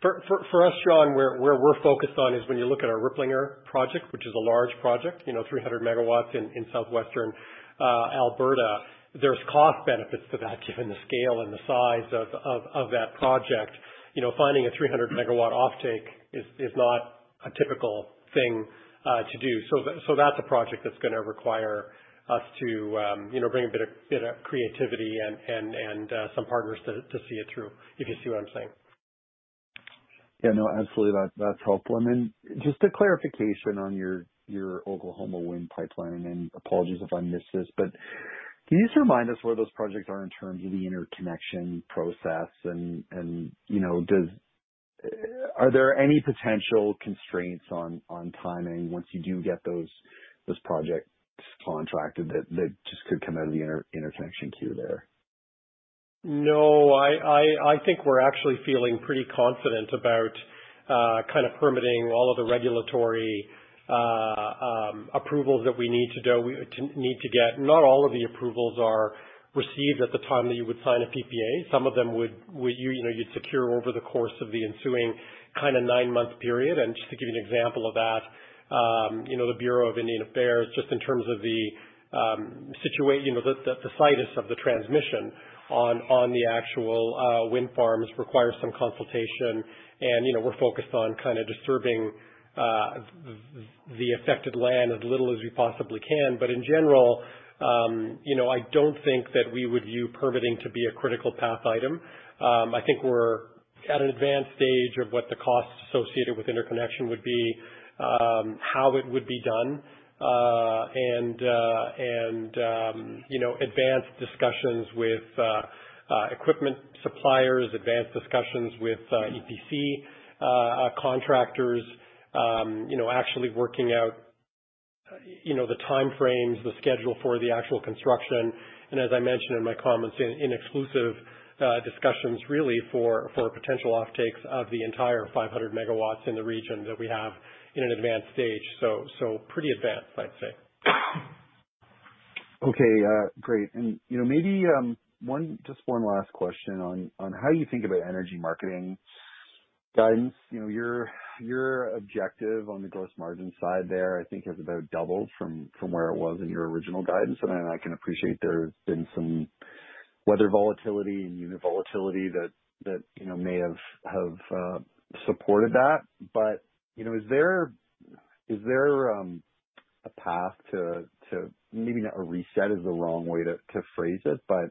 For us, John, what we're focused on is when you look at our Ripplinger project, which is a large project, you know, 300 MW in southwestern Alberta, there's cost benefits to that given the scale and the size of that project. You know, finding a 300 MW offtake is not a typical thing to do. That's a project that's gonna require us to, you know, bring a bit of creativity and some partners to see it through. If you see what I'm saying. Yeah. No, absolutely. That's helpful. Then just a clarification on your Oklahoma wind pipeline, and apologies if I missed this. Can you just remind us where those projects are in terms of the interconnection process and, you know, are there any potential constraints on timing once you do get those projects contracted that just could come out of the interconnection queue there? No, I think we're actually feeling pretty confident about kind of permitting all of the regulatory approvals that we need to get. Not all of the approvals are received at the time that you would sign a PPA. Some of them you'd secure over the course of the ensuing kind of nine-month period. Just to give you an example of that, you know, the Bureau of Indian Affairs, just in terms of the situs of the transmission on the actual wind farms requires some consultation. You know, we're focused on kind of disturbing the affected land as little as we possibly can. In general, you know, I don't think that we would view permitting to be a critical path item. I think we're at an advanced stage of what the costs associated with interconnection would be, how it would be done, and you know, advanced discussions with equipment suppliers, advanced discussions with EPC contractors. You know, actually working out you know, the timeframes, the schedule for the actual construction. As I mentioned in my comments, in exclusive discussions really for potential offtakes of the entire 500 MW in the region that we have in an advanced stage. Pretty advanced, I'd say. Okay. Great. You know, maybe one last question on how you think about energy marketing guidance. Your objective on the gross margin side there, I think has about doubled from where it was in your original guidance. I can appreciate there's been some weather volatility and unit volatility that you know may have supported that. You know, is there a path. A reset is the wrong way to phrase it, but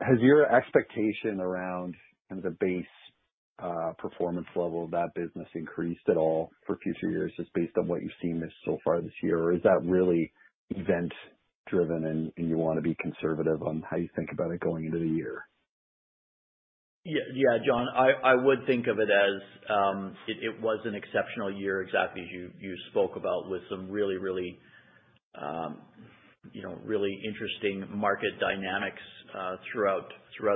has your expectation around kind of the base performance level of that business increased at all for future years just based on what you've seen so far this year? Or is that really event driven and you wanna be conservative on how you think about it going into the year? Yeah, John, I would think of it as it was an exceptional year, exactly as you spoke about with some really you know really interesting market dynamics throughout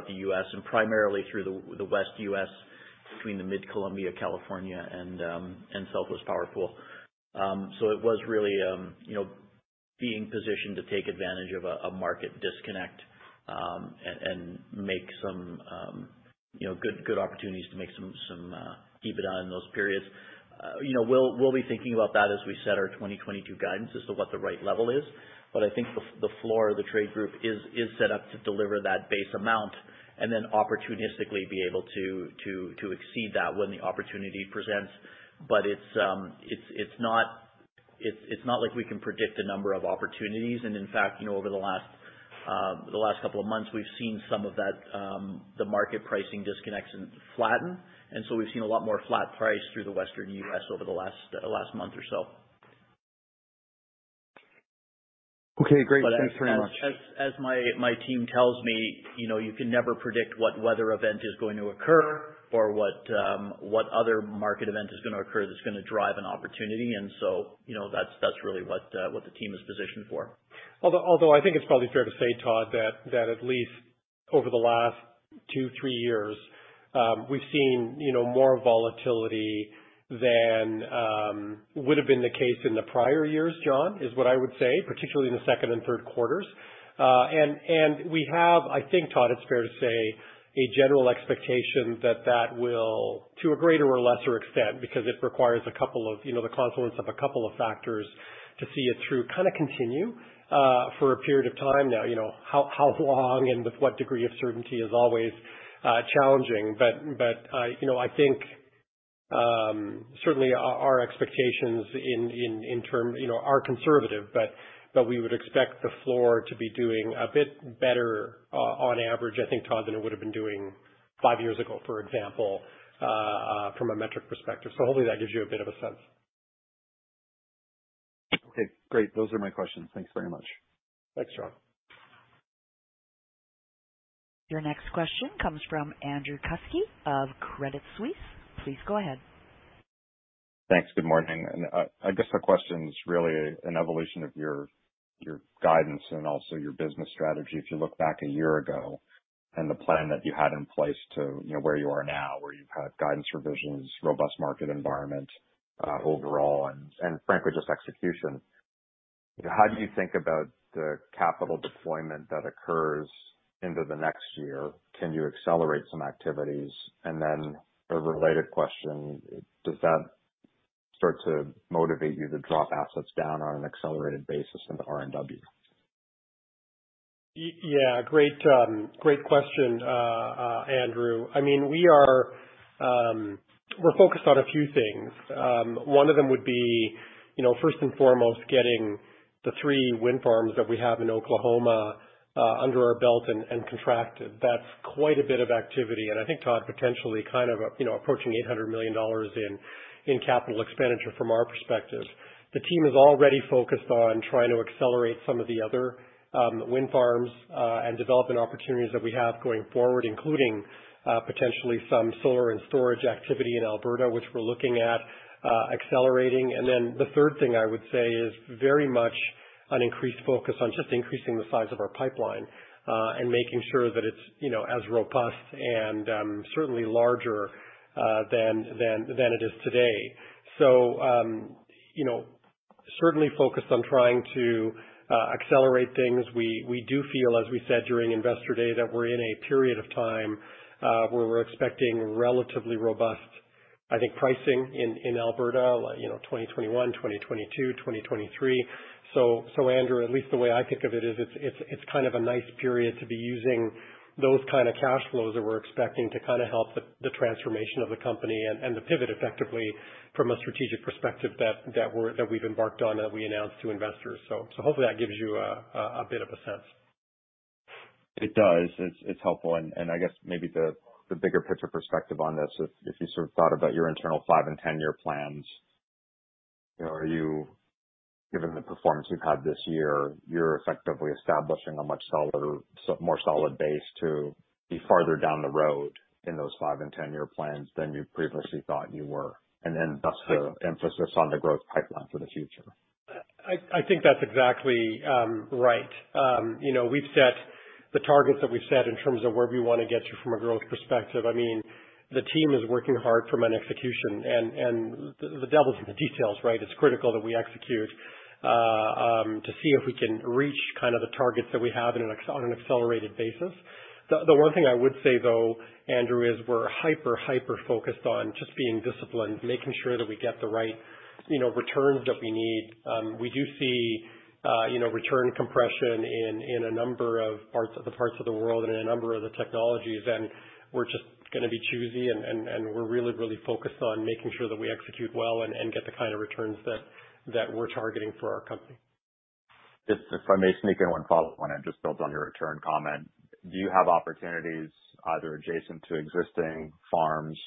the U.S. and primarily through the West U.S. between the Mid-Columbia, California and Southwest Power Pool. It was really you know being positioned to take advantage of a market disconnect and make some you know good opportunities to make some dividend in those periods. You know we'll be thinking about that as we set our 2022 guidance as to what the right level is. I think the floor of the trade group is set up to deliver that base amount and then opportunistically be able to exceed that when the opportunity presents. It's not like we can predict a number of opportunities, and in fact, you know, over the last couple of months, we've seen some of that, the market pricing disconnects flatten. We've seen a lot more flat price through the Western U.S. over the last month or so. Okay, great. Thanks very much. As my team tells me, you know, you can never predict what weather event is going to occur or what other market event is gonna occur that's gonna drive an opportunity. You know, that's really what the team is positioned for. Although I think it's probably fair to say, Todd, that at least over the last two, three years, we've seen, you know, more volatility than would have been the case in the prior years, John, is what I would say, particularly in the second and third quarters. I think, Todd, it's fair to say a general expectation that that will, to a greater or lesser extent, because it requires a couple of, you know, the confluence of a couple of factors to see it through, kinda continue, for a period of time now. You know, how long and with what degree of certainty is always challenging. I think certainly our expectations in terms, you know, are conservative, but we would expect the floor to be doing a bit better on average, I think, Todd, than it would have been doing five years ago, for example, from a metric perspective. Hopefully that gives you a bit of a sense. Okay, great. Those are my questions. Thanks very much. Thanks, John. Your next question comes from Andrew Kuske of Credit Suisse. Please go ahead. Thanks. Good morning. I guess my question is really an evolution of your guidance and also your business strategy. If you look back a year ago and the plan that you had in place to, you know, where you are now, where you've had guidance revisions, robust market environment, overall, and frankly, just execution. How do you think about the capital deployment that occurs into the next year? Can you accelerate some activities? Then a related question, does that start to motivate you to drop assets down on an accelerated basis in the RNW? Yeah. Great, great question, Andrew. I mean, we're focused on a few things. One of them would be, you know, first and foremost, getting the thre wind farms that we have in Oklahoma under our belt and contracted. That's quite a bit of activity, and I think, Todd, potentially kind of, you know, approaching $800 million in capital expenditure from our perspective. The team is already focused on trying to accelerate some of the other wind farms and development opportunities that we have going forward, including potentially some solar and storage activity in Alberta, which we're looking at accelerating. The third thing I would say is very much an increased focus on just increasing the size of our pipeline, and making sure that it's, you know, as robust and certainly larger than it is today. You know, certainly focused on trying to accelerate things. We do feel, as we said during Investor Day, that we're in a period of time where we're expecting relatively robust, I think, pricing in Alberta, you know, 2021, 2022, 2023. Andrew, at least the way I think of it is it's kind of a nice period to be using those kind of cash flows that we're expecting to kinda help the transformation of the company and the pivot effectively from a strategic perspective that we've embarked on that we announced to investors. Hopefully that gives you a bit of a sense. It does. It's helpful. I guess maybe the bigger picture perspective on this, if you sort of thought about your internal five- and 10-year plans, you know, are you, given the performance you've had this year, effectively establishing a much solider, so more solid base to be farther down the road in those five- and 10-year plans than you previously thought you were, and then thus the emphasis on the growth pipeline for the future. I think that's exactly right. You know, we've set the targets that we've set in terms of where we wanna get to from a growth perspective. I mean, the team is working hard from an execution and the devil's in the details, right? It's critical that we execute to see if we can reach kind of the targets that we have on an accelerated basis. The one thing I would say, though, Andrew, is we're hyper-focused on just being disciplined, making sure that we get the right, you know, returns that we need. We do see, you know, return compression in a number of parts of the world and a number of the technologies, and we're just gonna be choosy and we're really focused on making sure that we execute well and get the kind of returns that we're targeting for our company. If I may sneak in one follow-up on it, just built on your return comment. Do you have opportunities either adjacent to existing farms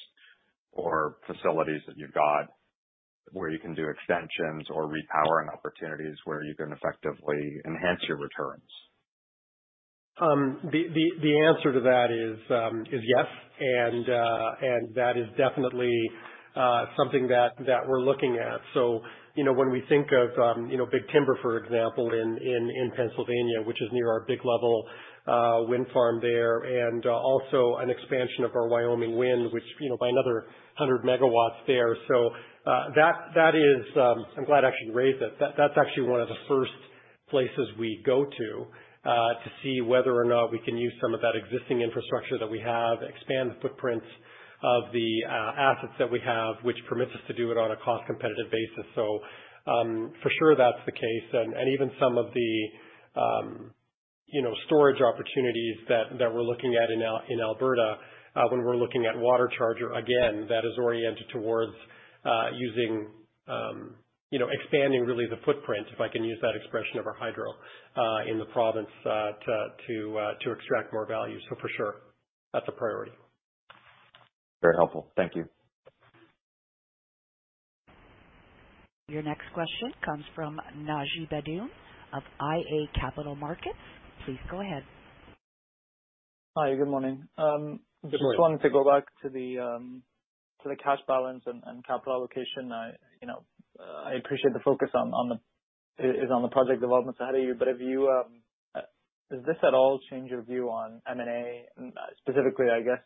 or facilities that you've got where you can do extensions or repowering opportunities where you can effectively enhance your returns? The answer to that is yes. That is definitely something that we're looking at. You know, when we think of Big Timber, for example, in Pennsylvania, which is near our Big Level wind farm there, and also an expansion of our Wyoming wind, which, you know, by another 100 MW there. I'm glad you actually raised it. That's actually one of the first places we go to see whether or not we can use some of that existing infrastructure that we have, expand the footprints of the assets that we have, which permits us to do it on a cost-competitive basis. For sure that's the case. Even some of the you know, storage opportunities that we're looking at in Alberta, when we're looking at pumped storage, again, that is oriented towards using you know, expanding really the footprint, if I can use that expression, of our hydro in the province to extract more value. For sure, that's a priority. Very helpful. Thank you. Your next question comes from Naji Baydoun of iA Capital Markets. Please go ahead. Hi. Good morning. Good morning. Just wanted to go back to the cash balance and capital allocation. You know, I appreciate the focus on the project developments ahead of you. Does this at all change your view on M&A? Specifically, I guess,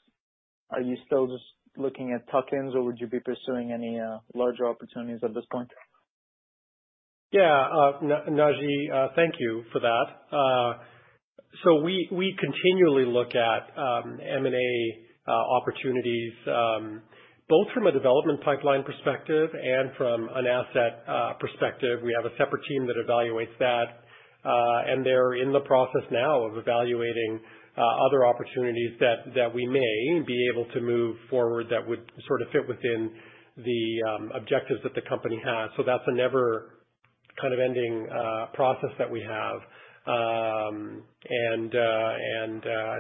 are you still just looking at tuck-ins, or would you be pursuing any larger opportunities at this point? Yeah. Naji, thank you for that. We continually look at M&A opportunities both from a development pipeline perspective and from an asset perspective. We have a separate team that evaluates that, and they're in the process now of evaluating other opportunities that we may be able to move forward that would sort of fit within the objectives that the company has. That's a never kind of ending process that we have. I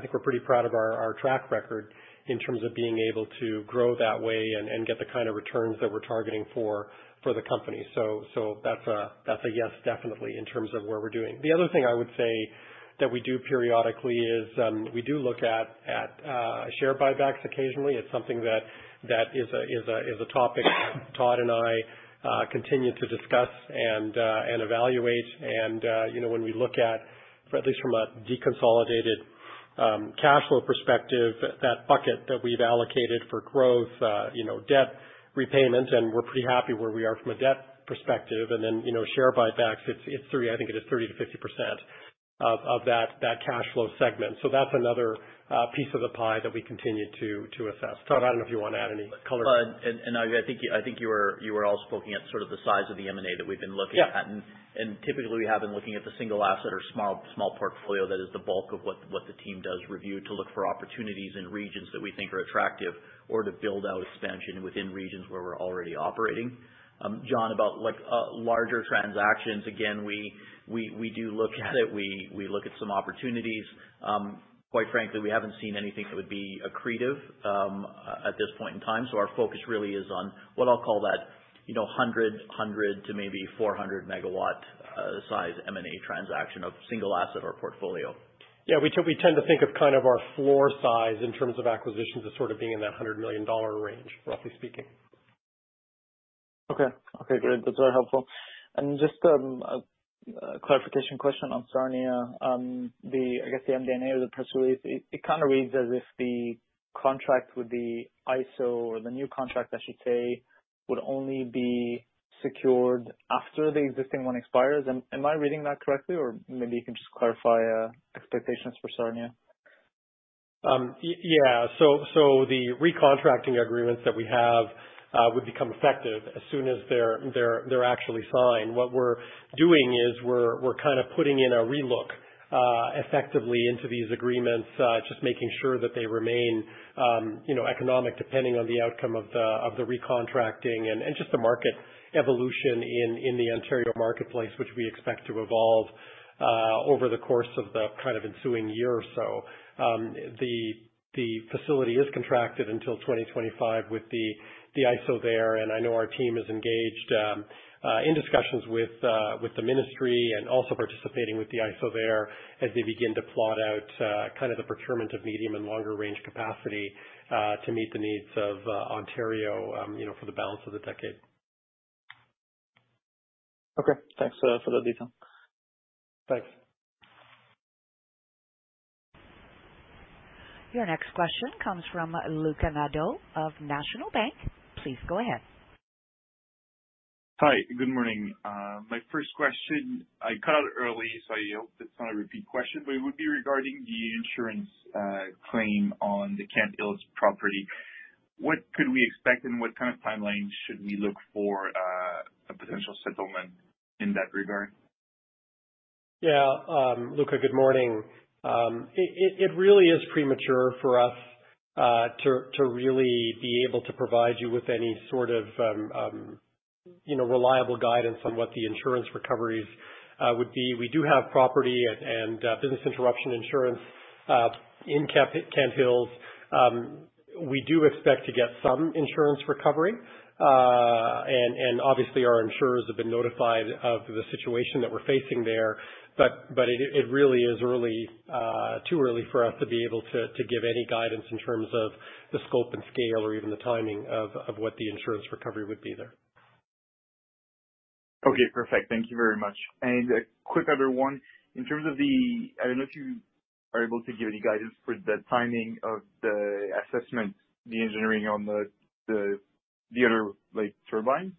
think we're pretty proud of our track record in terms of being able to grow that way and get the kind of returns that we're targeting for the company. That's a yes, definitely, in terms of where we're doing. The other thing I would say that we do periodically is we do look at share buybacks occasionally. It's something that is a topic Todd and I continue to discuss and evaluate. You know, when we look at least from a deconsolidated cash flow perspective, that bucket that we've allocated for growth, you know, debt repayment, and we're pretty happy where we are from a debt perspective. You know, share buybacks, it's 30%-50% of that cash flow segment. That's another piece of the pie that we continue to assess. Todd, I don't know if you wanna add any color. I think you were also looking at sort of the size of the M&A that we've been looking at. Typically, we have been looking at the single asset or small portfolio. That is the bulk of what the team does review to look for opportunities in regions that we think are attractive or to build out expansion within regions where we're already operating. John, about like larger transactions, again, we do look at it. We look at some opportunities. Quite frankly, we haven't seen anything that would be accretive at this point in time. Our focus really is on what I'll call that, you know, 100 to maybe 400 MW size M&A transaction of single asset or portfolio. Yeah. We tend to think of kind of our floor size in terms of acquisitions as sort of being in that 100 million dollar range, roughly speaking. Okay, great. That's very helpful. Just a clarification question on Sarnia. I guess the MD&A or the press release, it kind of reads as if the contract with the AESO or the new contract, I should say, would only be secured after the existing one expires. Am I reading that correctly? Or maybe you can just clarify expectations for Sarnia. Yeah. The recontracting agreements that we have would become effective as soon as they're actually signed. What we're doing is we're kind of putting in a relook effectively into these agreements just making sure that they remain you know economic depending on the outcome of the recontracting and just the market evolution in the Ontario marketplace which we expect to evolve over the course of the kind of ensuing year or so. The facility is contracted until 2025 with the AESO there, and I know our team is engaged in discussions with the ministry and also participating with the AESO there as they begin to plot out kind of the procurement of medium- and longer-range capacity to meet the needs of Alberta, you know, for the balance of the decade. Okay. Thanks for the detail. Thanks. Your next question comes from Louka Nadeau of National Bank. Please go ahead. Hi. Good morning. My first question, I cut out early, so I hope it's not a repeat question, but it would be regarding the insurance claim on the Kent Hills property. What could we expect and what kind of timeline should we look for, a potential settlement in that regard? Yeah. Louka, good morning. It really is premature for us to really be able to provide you with any sort of, you know, reliable guidance on what the insurance recoveries would be. We do have property and business interruption insurance in Kent Hills. We do expect to get some insurance recovery. Obviously our insurers have been notified of the situation that we're facing there, but it really is early, too early for us to be able to give any guidance in terms of the scope and scale or even the timing of what the insurance recovery would be there. Okay, perfect. Thank you very much. A quick other one. In terms of I don't know if you are able to give any guidance for the timing of the assessment, the engineering on the other, like, turbine?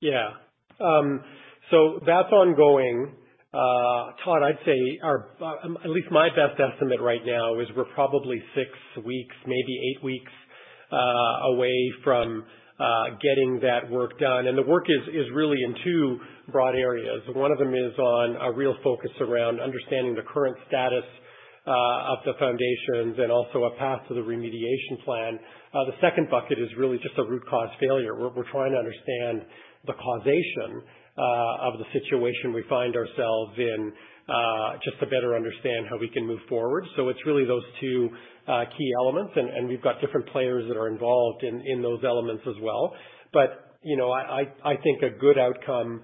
Yeah. That's ongoing. Todd, I'd say our, at least my best estimate right now is we're probably six weeks, maybe eight weeks, away from getting that work done. The work is really in two broad areas. One of them is on a real focus around understanding the current status of the foundations and also a path to the remediation plan. The second bucket is really just a root cause failure. We're trying to understand the causation of the situation we find ourselves in, just to better understand how we can move forward. It's really those two key elements and we've got different players that are involved in those elements as well. You know, I think a good outcome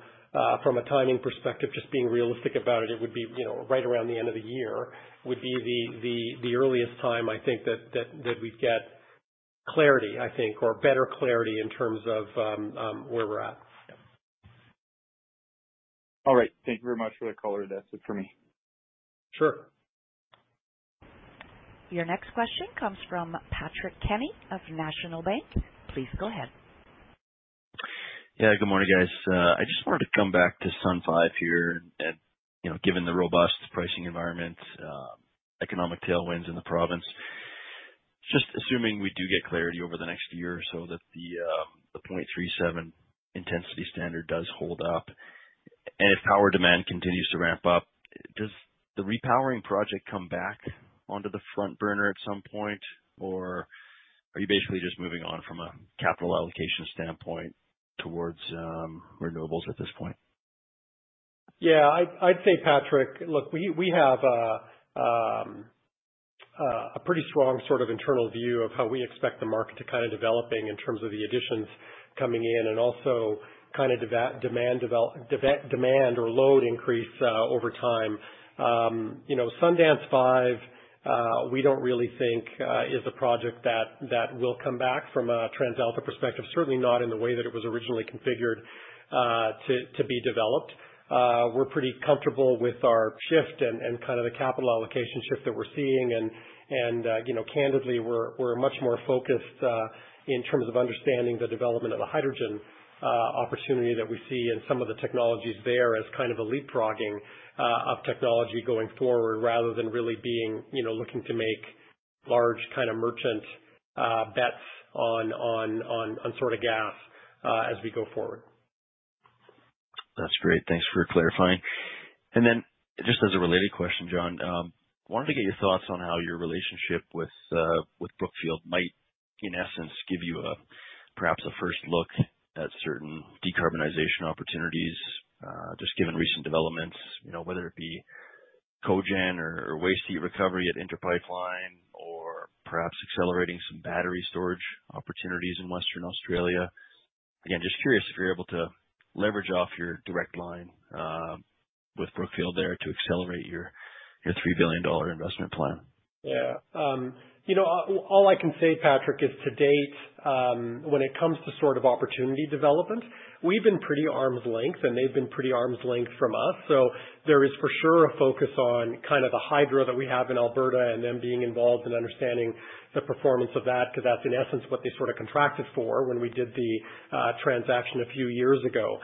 from a timing perspective, just being realistic about it would be, you know, right around the end of the year would be the earliest time I think that we'd get clarity, I think, or better clarity in terms of where we're at. All right. Thank you very much for the color. That's it for me. Sure. Your next question comes from Patrick Kenny of National Bank Financial. Please go ahead. Yeah, good morning, guys. I just wanted to come back to Sundance 5 here and, you know, given the robust pricing environment, economic tailwinds in the province, just assuming we do get clarity over the next year so that the 0.37 intensity standard does hold up, and if power demand continues to ramp up, does the repowering project come back onto the front burner at some point, or are you basically just moving on from a capital allocation standpoint towards renewables at this point? Yeah, I'd say, Patrick, look, we have a pretty strong sort of internal view of how we expect the market to kind of developing in terms of the additions coming in and also kind of demand or load increase over time. You know, Sundance 5, we don't really think is a project that will come back from a TransAlta perspective, certainly not in the way that it was originally configured to be developed. We're pretty comfortable with our shift and kind of the capital allocation shift that we're seeing. You know, candidly, we're much more focused in terms of understanding the development of the hydrogen opportunity that we see and some of the technologies there as kind of a leapfrogging of technology going forward, rather than really being, you know, looking to make large kind of merchant bets on sort of gas as we go forward. That's great. Thanks for clarifying. Just as a related question, John, wanted to get your thoughts on how your relationship with Brookfield might, in essence, give you a perhaps a first look at certain decarbonization opportunities, just given recent developments, you know, whether it be cogen or waste heat recovery at Inter Pipeline or perhaps accelerating some battery storage opportunities in Western Australia. Again, just curious if you're able to leverage off your direct line with Brookfield there to accelerate your 3 billion dollar investment plan. Yeah. You know, all I can say, Patrick, is to date, when it comes to sort of opportunity development, we've been pretty arm's length, and they've been pretty arm's length from us. There is for sure a focus on kind of the hydro that we have in Alberta and them being involved and understanding the performance of that, because that's in essence what they sort of contracted for when we did the transaction a few years ago.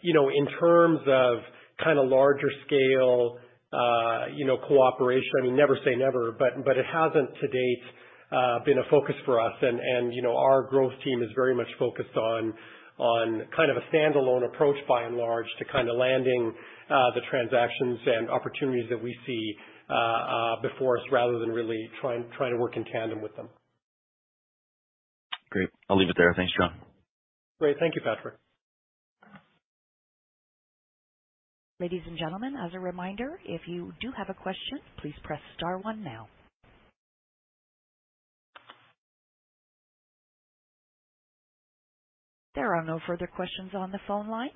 You know, in terms of kind of larger scale, you know, cooperation, I mean, never say never, but it hasn't to date been a focus for us. You know, our growth team is very much focused on kind of a standalone approach by and large to kind of landing the transactions and opportunities that we see before us rather than really trying to work in tandem with them. Great. I'll leave it there. Thanks, John. Great. Thank you, Patrick. Ladies and gentlemen, as a reminder, if you do have a question, please press star one now. There are no further questions on the phone line.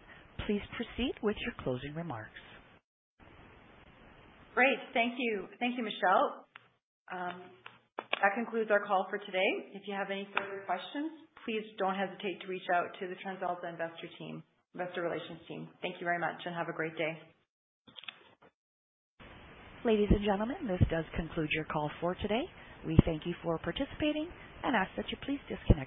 Please proceed with your closing remarks. Great. Thank you. Thank you, Michelle. That concludes our call for today. If you have any further questions, please don't hesitate to reach out to the TransAlta investor team, investor relations team. Thank you very much and have a great day. Ladies and gentlemen, this does conclude your call for today. We thank you for participating and ask that you please disconnect your line.